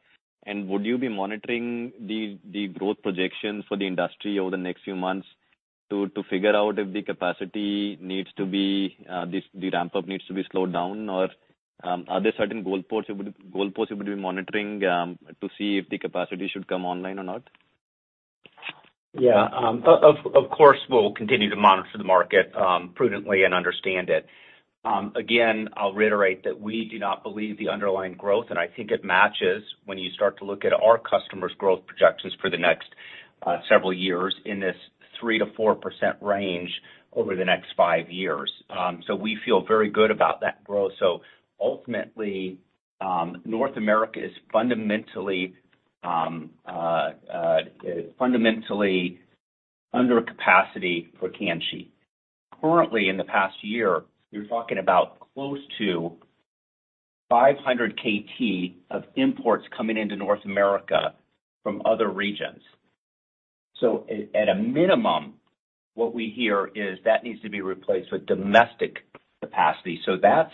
Would you be monitoring the growth projections for the industry over the next few months to figure out if the capacity needs to be, the ramp up needs to be slowed down, or are there certain goalposts you would be monitoring to see if the capacity should come online or not? Of course, we'll continue to monitor the market prudently and understand it. Again, I'll reiterate that we do not believe the underlying growth, and I think it matches when you start to look at our customers' growth projections for the next several years in this 3%-4% range over the next five years. We feel very good about that growth. Ultimately, North America is fundamentally under capacity for can sheet. Currently, in the past year, you're talking about close to 500 KT of imports coming into North America from other regions. At a minimum, what we hear is that needs to be replaced with domestic capacity. That's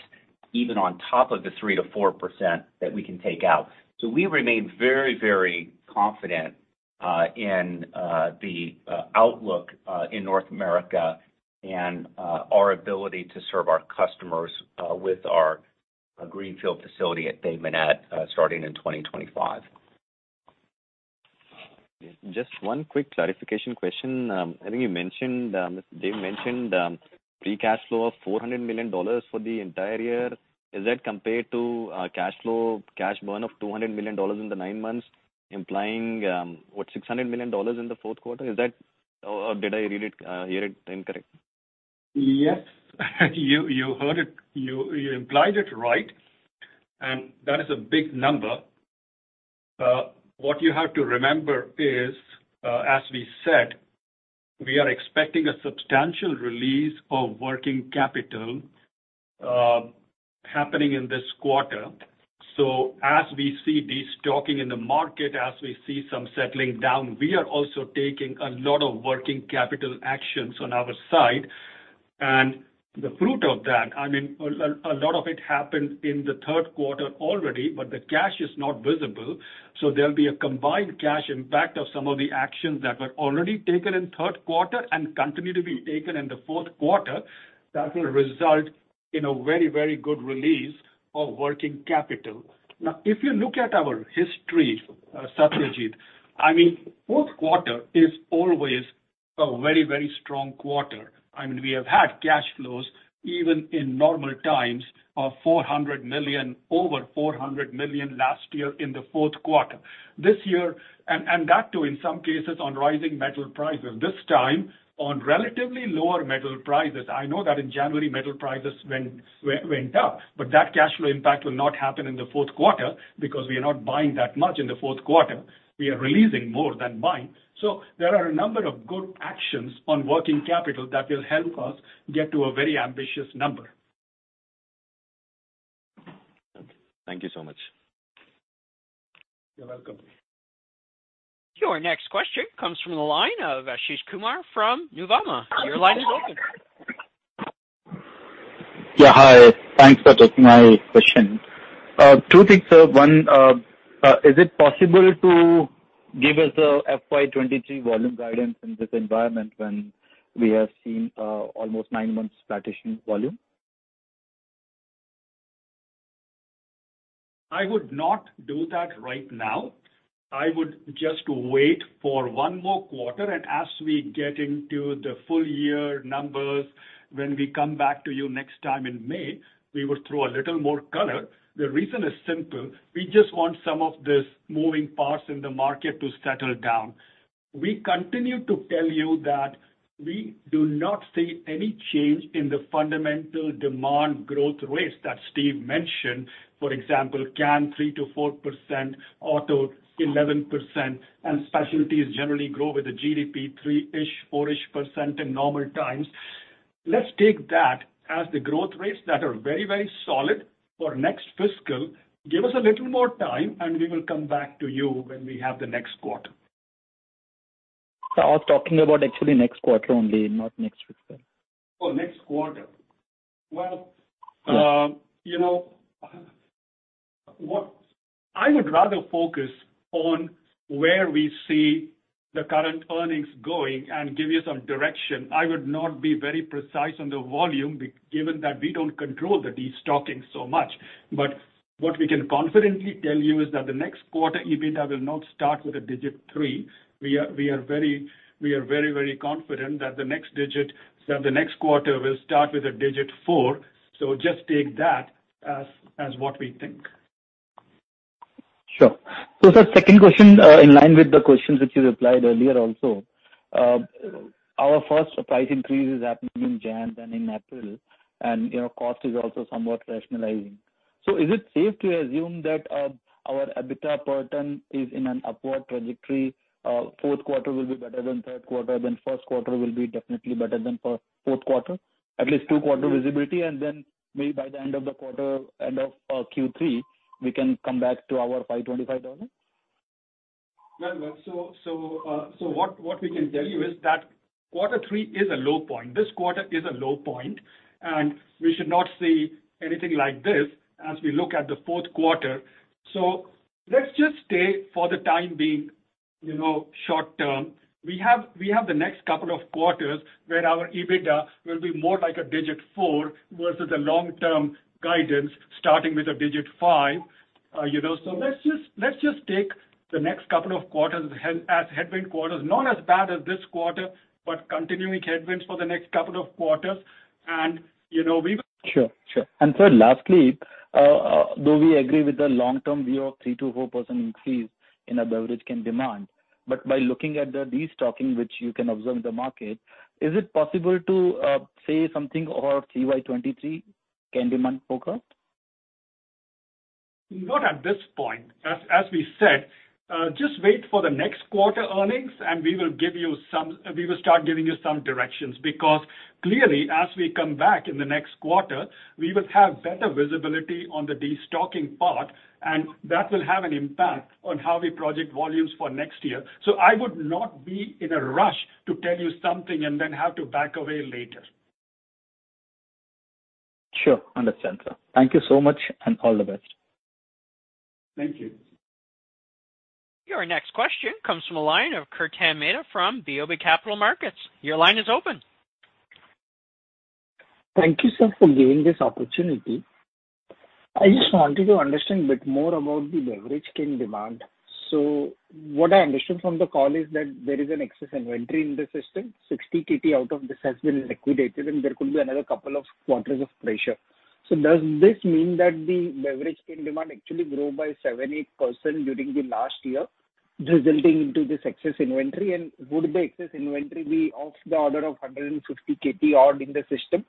even on top of the 3%-4% that we can take out. We remain very, very confident in the outlook in North America and our ability to serve our customers with our greenfield facility at Bay Minette, starting in 2025. Just one quick clarification question. I think you mentioned, Dev mentioned free cash flow of $400 million for the entire year. Is that compared to cash flow, cash burn of $200 million in the 9 months, implying what, $600 million in the fourth quarter? Is that, or did I read it, hear it incorrect? Yes, you heard it. You, you implied it right, and that is a big number. What you have to remember is, as we said, we are expecting a substantial release of working capital, happening in this quarter. As we see destocking in the market, as we see some settling down, we are also taking a lot of working capital actions on our side. The fruit of that, I mean, a lot of it happened in the third quarter already, but the cash is not visible. There'll be a combined cash impact of some of the actions that were already taken in third quarter and continue to be taken in the fourth quarter. That will result in a very, very good release of working capital. If you look at our history, Satyajit, I mean, fourth quarter is always a very, very strong quarter. I mean, we have had cash flows, even in normal times, of $400 million, over $400 million last year in the fourth quarter. This year, and that too, in some cases on rising metal prices, this time, on relatively lower metal prices. I know that in January, metal prices went up, but that cash flow impact will not happen in the fourth quarter because we are not buying that much in the fourth quarter. We are releasing more than buying. There are a number of good actions on working capital that will help us get to a very ambitious number. Thank you so much. You're welcome. Your next question comes from the line of Ashish Kumar from Nuvama. Your line is open. Yeah, hi. Thanks for taking my question. Two things, sir. One, is it possible to give us the FY 2023 volume guidance in this environment when we have seen, almost nine months flattishing volume? I would not do that right now. I would just wait for one more quarter, and as we get into the full year numbers, when we come back to you next time in May, we will throw a little more color. The reason is simple: We just want some of this moving parts in the market to settle down. We continue to tell you that we do not see any change in the fundamental demand growth rates that Steve mentioned. For example, can 3%-4%, auto 11%, and specialties generally grow with the GDP, 3%-4% in normal times. Let's take that as the growth rates that are very, very solid for next fiscal. Give us a little more time, and we will come back to you when we have the next quarter. I was talking about actually next quarter only, not next fiscal. Next quarter. Well, Yeah. you know, what I would rather focus on where we see the current earnings going and give you some direction. I would not be very precise on the volume, given that we don't control the destocking so much. What we can confidently tell you is that the next quarter, EBITDA will not start with a digit three. We are very, very confident that the next quarter will start with a digit four. Just take that as what we think. Sure. The second question, in line with the questions which you replied earlier also. Our first price increase is happening in January and in April, and, you know, cost is also somewhat rationalizing. Is it safe to assume that our EBITDA per ton is in an upward trajectory? Fourth quarter will be better than third quarter, then first quarter will be definitely better than for fourth quarter, at least two-quarter visibility, and then maybe by the end of the quarter, end of Q3, we can come back to our $525? Well, so what we can tell you is that quarter three is a low point. This quarter is a low point. We should not see anything like this as we look at the fourth quarter. Let's just say, for the time being, you know, short term, we have the next couple of quarters where our EBITDA will be more like a digit four versus a long-term guidance, starting with a digit five, you know. Let's just take the next couple of quarters as headwind quarters. Not as bad as this quarter, but continuing headwinds for the next couple of quarters. You know. Sure, sure. Sir, lastly, do we agree with the long-term view of 3%-4% increase in a beverage can demand? By looking at the destocking, which you can observe in the market, is it possible to say something or FY 2023 can demand forecast? Not at this point. As we said, just wait for the next quarter earnings and we will start giving you some directions, because clearly, as we come back in the next quarter, we will have better visibility on the destocking part, and that will have an impact on how we project volumes for next year. I would not be in a rush to tell you something and then have to back away later. Sure. Understand, sir. Thank you so much, and all the best. Thank you. Your next question comes from the line of Kirtan Mehta from BOB Capital Markets. Your line is open. Thank you, sir, for giving this opportunity. I just wanted to understand a bit more about the beverage can demand. What I understood from the call is that there is an excess inventory in the system. 60 KT out of this has been liquidated, and there could be another couple of quarters of pressure. Does this mean that the beverage can demand actually grow by 7%, 8% during the last year, resulting into this excess inventory? Would the excess inventory be of the order of 150 KT odd in the system,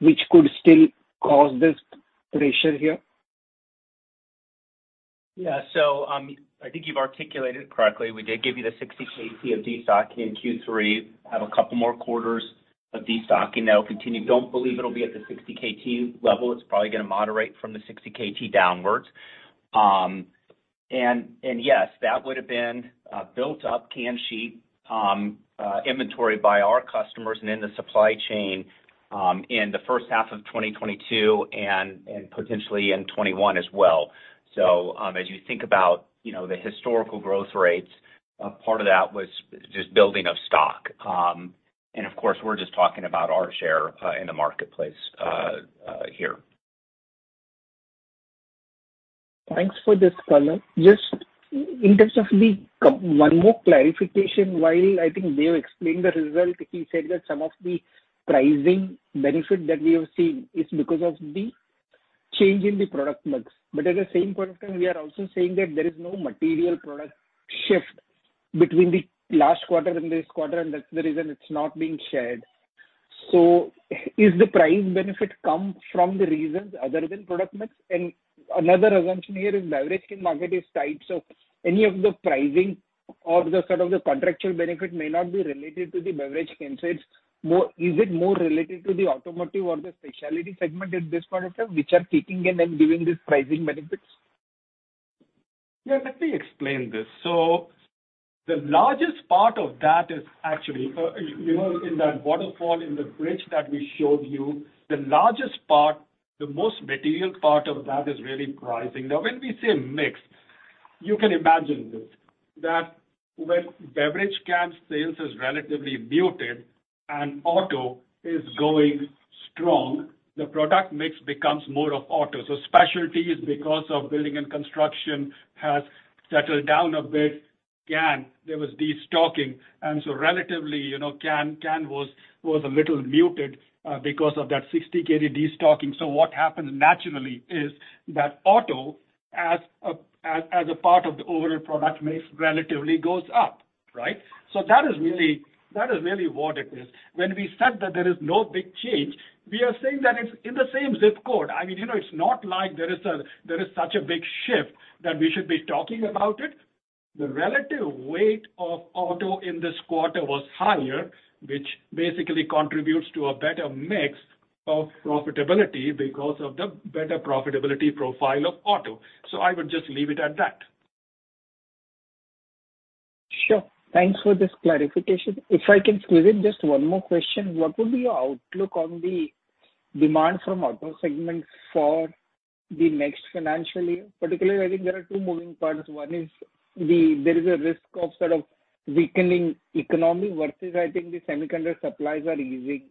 which could still cause this pressure here? I think you've articulated it correctly. We did give you the 60 KT of destocking in Q3, have a couple more quarters of destocking that will continue. Don't believe it'll be at the 60 KT level. It's probably gonna moderate from the 60 KT downwards. And yes, that would have been built up can sheet inventory by our customers and in the supply chain in the first half of 2022 and potentially in 2021 as well. As you think about, you know, the historical growth rates, part of that was just building of stock. And of course, we're just talking about our share in the marketplace here. Thanks for this color. Just in terms of one more clarification. While I think Dev explained the result, he said that some of the pricing benefit that we have seen is because of the change in the product mix. At the same point in time, we are also saying that there is no material product shift between the last quarter and this quarter, and that's the reason it's not being shared. Is the price benefit come from the reasons other than product mix? Another assumption here is beverage can market is tight, so any of the pricing or the sort of the contractual benefit may not be related to the beverage can. Is it more related to the automotive or the specialty segment at this point of time, which are kicking in and giving these pricing benefits? Yeah, let me explain this. The largest part of that is actually, you know, in that waterfall, in the bridge that we showed you, the largest part, the most material part of that is really pricing. When we say mix, you can imagine this, that when beverage can sales is relatively muted and auto is going strong, the product mix becomes more of auto. Specialty is because of building and construction, has settled down a bit. There was destocking, relatively, you know, can was a little muted, because of that 60 KT destocking. What happened naturally is that auto, as a part of the overall product mix, relatively goes up, right? That is really what it is. When we said that there is no big change, we are saying that it's in the same zip code. I mean, you know, it's not like there is such a big shift that we should be talking about it. The relative weight of auto in this quarter was higher, which basically contributes to a better mix of profitability because of the better profitability profile of auto. I would just leave it at that. Sure. Thanks for this clarification. If I can squeeze in just one more question, what would be your outlook on the demand from auto segments for the next financial year? Particularly, I think there are two moving parts. One is, there is a risk of sort of weakening economy versus I think the semiconductor supplies are easing.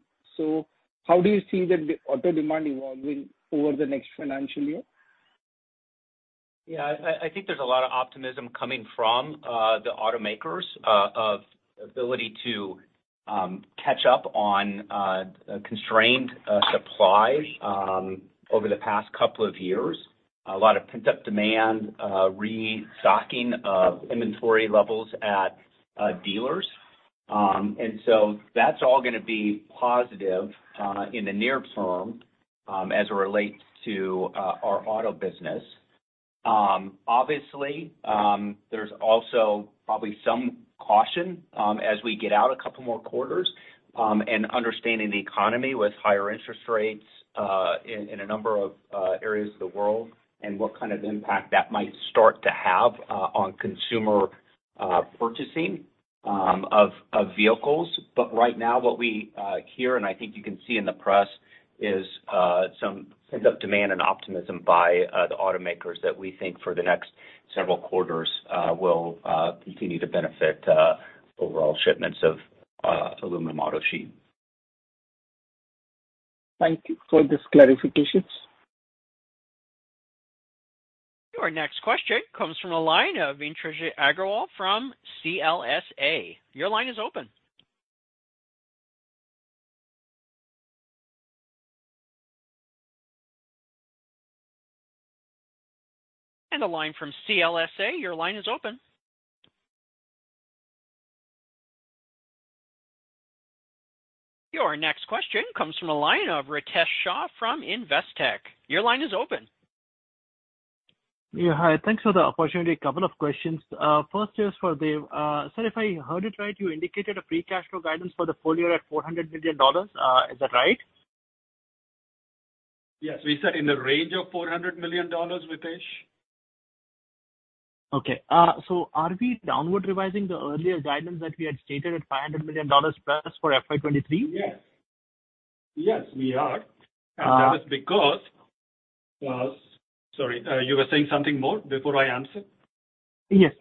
How do you see the auto demand evolving over the next financial year? I think there's a lot of optimism coming from the automakers of ability to catch up on constrained supply over the past couple of years. A lot of pent-up demand, restocking of inventory levels at dealers. That's all gonna be positive in the near term as it relates to our auto business. Obviously, there's also probably some caution as we get out a couple more quarters and understanding the economy with higher interest rates in a number of areas of the world, and what kind of impact that might start to have on consumer purchasing of vehicles. Right now, what we hear, and I think you can see in the press, is some pent-up demand and optimism by the automakers that we think for the next several quarters, will continue to benefit overall shipments of aluminum auto sheet. Thank you for this clarifications. Our next question comes from the line of Indrajit Agarwal from CLSA. Your line is open. The line from CLSA, your line is open. Your next question comes from a line of Ritesh Shah from Investec. Your line is open. Yeah, hi. Thanks for the opportunity. A couple of questions. First is for Dev. If I heard it right, you indicated a free cash flow guidance for the full year at $400 million. Is that right? Yes, we said in the range of $400 million, Ritesh. Are we downward revising the earlier guidance that we had stated at $500 million plus for FY 2023? Yes. Yes, we are. Uh- that is because, Sorry, you were saying something more before I answer? Yes.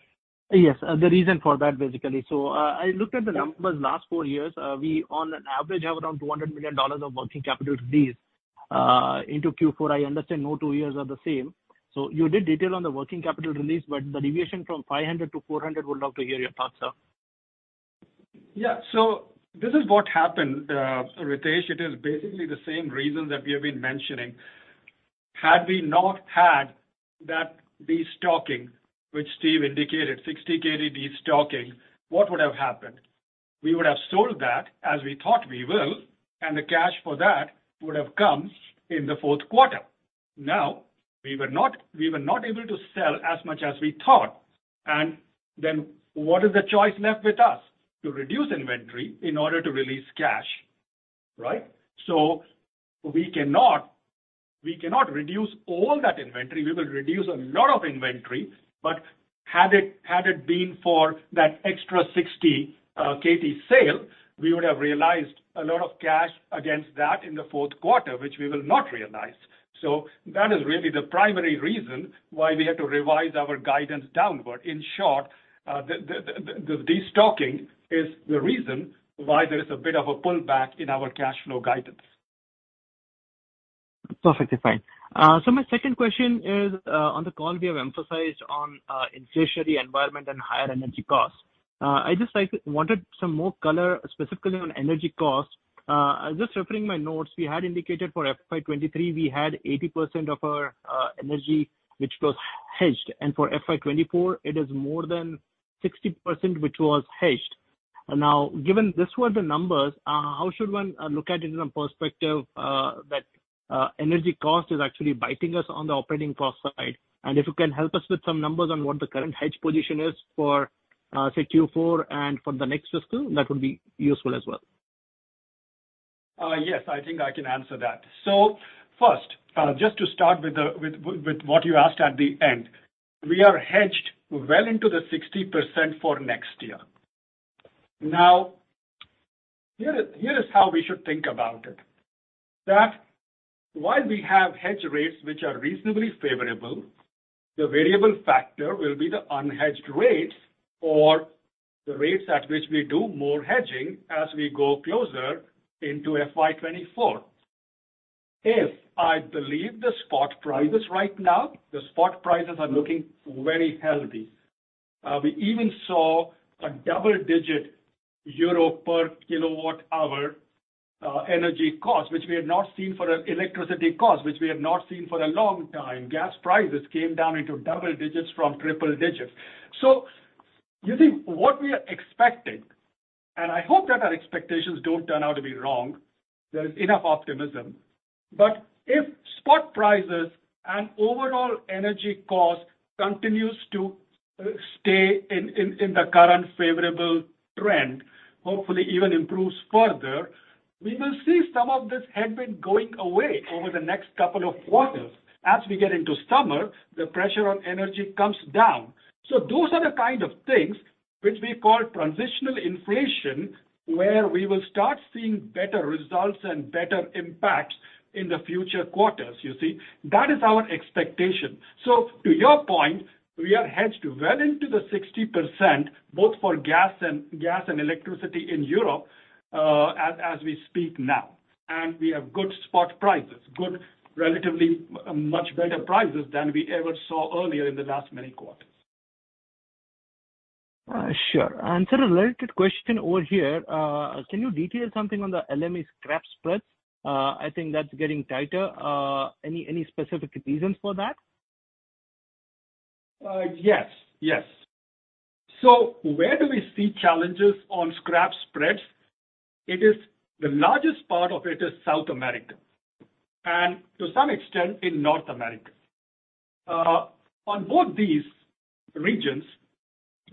Yes, the reason for that, basically. I looked at the numbers last four years. We on an average, have around $200 million of working capital release, into Q4. I understand no two years are the same. You did detail on the working capital release, but the deviation from $500 million-$400 million, would love to hear your thoughts, sir. Yeah. This is what happened, Ritesh Shah. It is basically the same reasons that we have been mentioning. Had we not had that destocking, which Steve Fisher indicated, 60 KT destocking, what would have happened? We would have sold that as we thought we will, and the cash for that would have come in the fourth quarter. Now, we were not able to sell as much as we thought. What is the choice left with us? To reduce inventory in order to release cash, right? We cannot reduce all that inventory. We will reduce a lot of inventory, but had it been for that extra 60 KT sale, we would have realized a lot of cash against that in the fourth quarter, which we will not realize. That is really the primary reason why we had to revise our guidance downward. In short, the destocking is the reason why there is a bit of a pullback in our cash flow guidance. Perfectly fine. My second question is, on the call we have emphasized on inflationary environment and higher energy costs. Wanted some more color, specifically on energy costs. Just referring my notes, we had indicated for FY 2023, we had 80% of our energy, which was hedged, and for FY 2024 it is more than 60%, which was hedged. Given these were the numbers, how should one look at it in a perspective that energy cost is actually biting us on the operating cost side? If you can help us with some numbers on what the current hedge position is for, say Q4 and for the next fiscal, that would be useful as well. Yes, I think I can answer that. First, just to start with what you asked at the end, we are hedged well into the 60% for next year. Here is how we should think about it, that while we have hedge rates which are reasonably favorable, the variable factor will be the unhedged rates or the rates at which we do more hedging as we go closer into FY 2024. If I believe the spot prices right now, the spot prices are looking very healthy. We even saw a double-digit EUR per kilowatt hour energy cost, which we have not seen for an electricity cost, which we have not seen for a long time. Gas prices came down into double digits from triple digits. You see, what we are expecting, and I hope that our expectations don't turn out to be wrong, there is enough optimism. If spot prices and overall energy cost continues to stay in the current favorable trend, hopefully even improves further, we will see some of this headwind going away over the next couple of quarters. As we get into summer, the pressure on energy comes down. Those are the kind of things which we call transitional inflation, where we will start seeing better results and better impacts in the future quarters, you see? That is our expectation. To your point, we are hedged well into the 60%, both for gas and electricity in Europe, as we speak now. We have good spot prices, good, relatively, much better prices than we ever saw earlier in the last many quarters. Sure. Sort of related question over here, can you detail something on the LME scrap spreads? I think that's getting tighter. Any specific reasons for that? Yes. Yes. Where do we see challenges on scrap spreads? It is the largest part of it is South America, and to some extent in North America. On both these regions,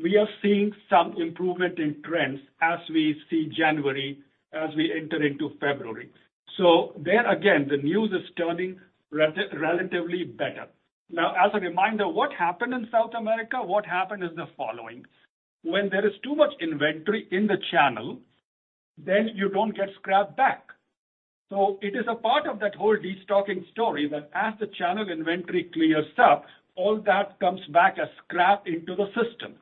we are seeing some improvement in trends as we see January, as we enter into February. There again, the news is turning relatively better. Now, as a reminder, what happened in South America? What happened is the following: when there is too much inventory in the channel, then you don't get scrap back. It is a part of that whole destocking story, that as the channel inventory clears up, all that comes back as scrap into the system.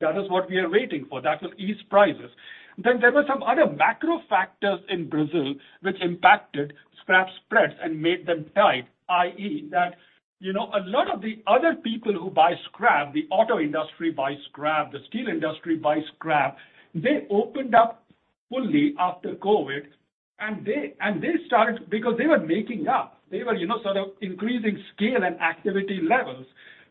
That is what we are waiting for. That will ease prices. There were some other macro factors in Brazil, which impacted scrap spreads and made them tight, i.e., that, you know, a lot of the other people who buy scrap, the auto industry buys scrap, the steel industry buys scrap, they opened up fully after COVID, and they started. Because they were making up, they were, you know, sort of increasing scale and activity levels.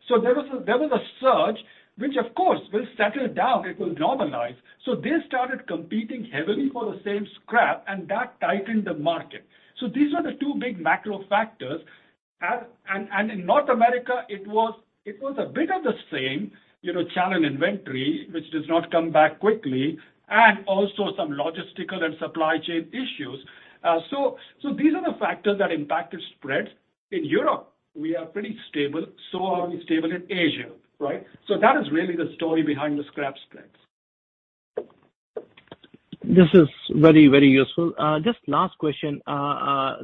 There was a surge, which of course will settle down, it will normalize. They started competing heavily for the same scrap, and that tightened the market. And in North America, it was a bit of the same, you know, channel inventory, which does not come back quickly, and also some logistical and supply chain issues. These are the factors that impacted spreads. In Europe, we are pretty stable, so are we stable in Asia, right? That is really the story behind the scrap spreads.... This is very, very useful. Just last question.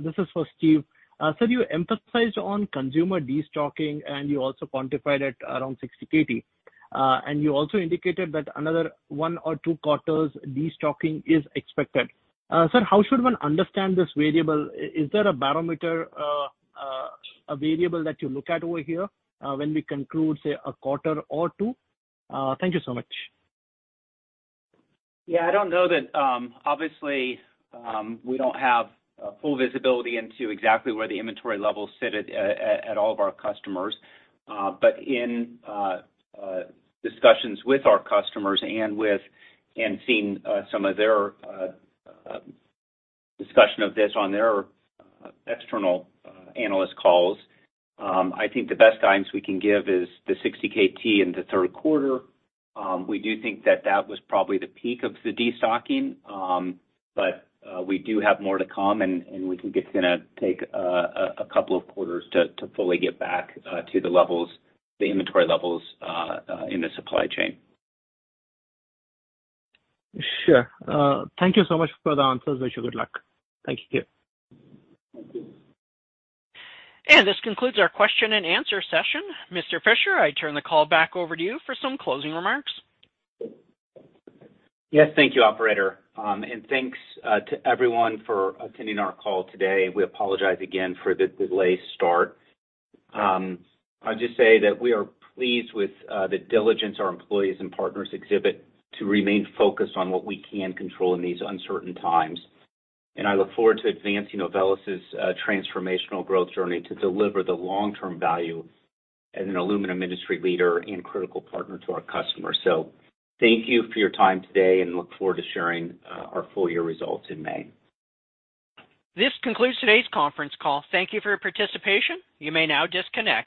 This is for Steve. Sir, you emphasized on consumer destocking, and you also quantified it around 60 KT. You also indicated that another one or two quarters destocking is expected. Sir, how should one understand this variable? Is there a barometer, a variable that you look at over here, when we conclude, say, a quarter or two? Thank you so much. Yeah, I don't know that. Obviously, we don't have full visibility into exactly where the inventory levels sit at all of our customers. But in discussions with our customers and seeing some of their discussion of this on their external analyst calls, I think the best guidance we can give is the 60 KT in the third quarter. We do think that that was probably the peak of the destocking, but we do have more to come, and we think it's gonna take a couple of quarters to fully get back to the levels, the inventory levels, in the supply chain. Sure. Thank you so much for the answers. Wish you good luck. Thank you. Thank you. This concludes our question and answer session. Steve Fisher, I turn the call back over to you for some closing remarks. Yes, thank you, operator. Thanks to everyone for attending our call today. We apologize again for the delayed start. I'll just say that we are pleased with the diligence our employees and partners exhibit to remain focused on what we can control in these uncertain times. I look forward to advancing Novelis's transformational growth journey to deliver the long-term value as an aluminum industry leader and critical partner to our customers. Thank you for your time today, and look forward to sharing our full year results in May. This concludes today's conference call. Thank you for your participation. You may now disconnect.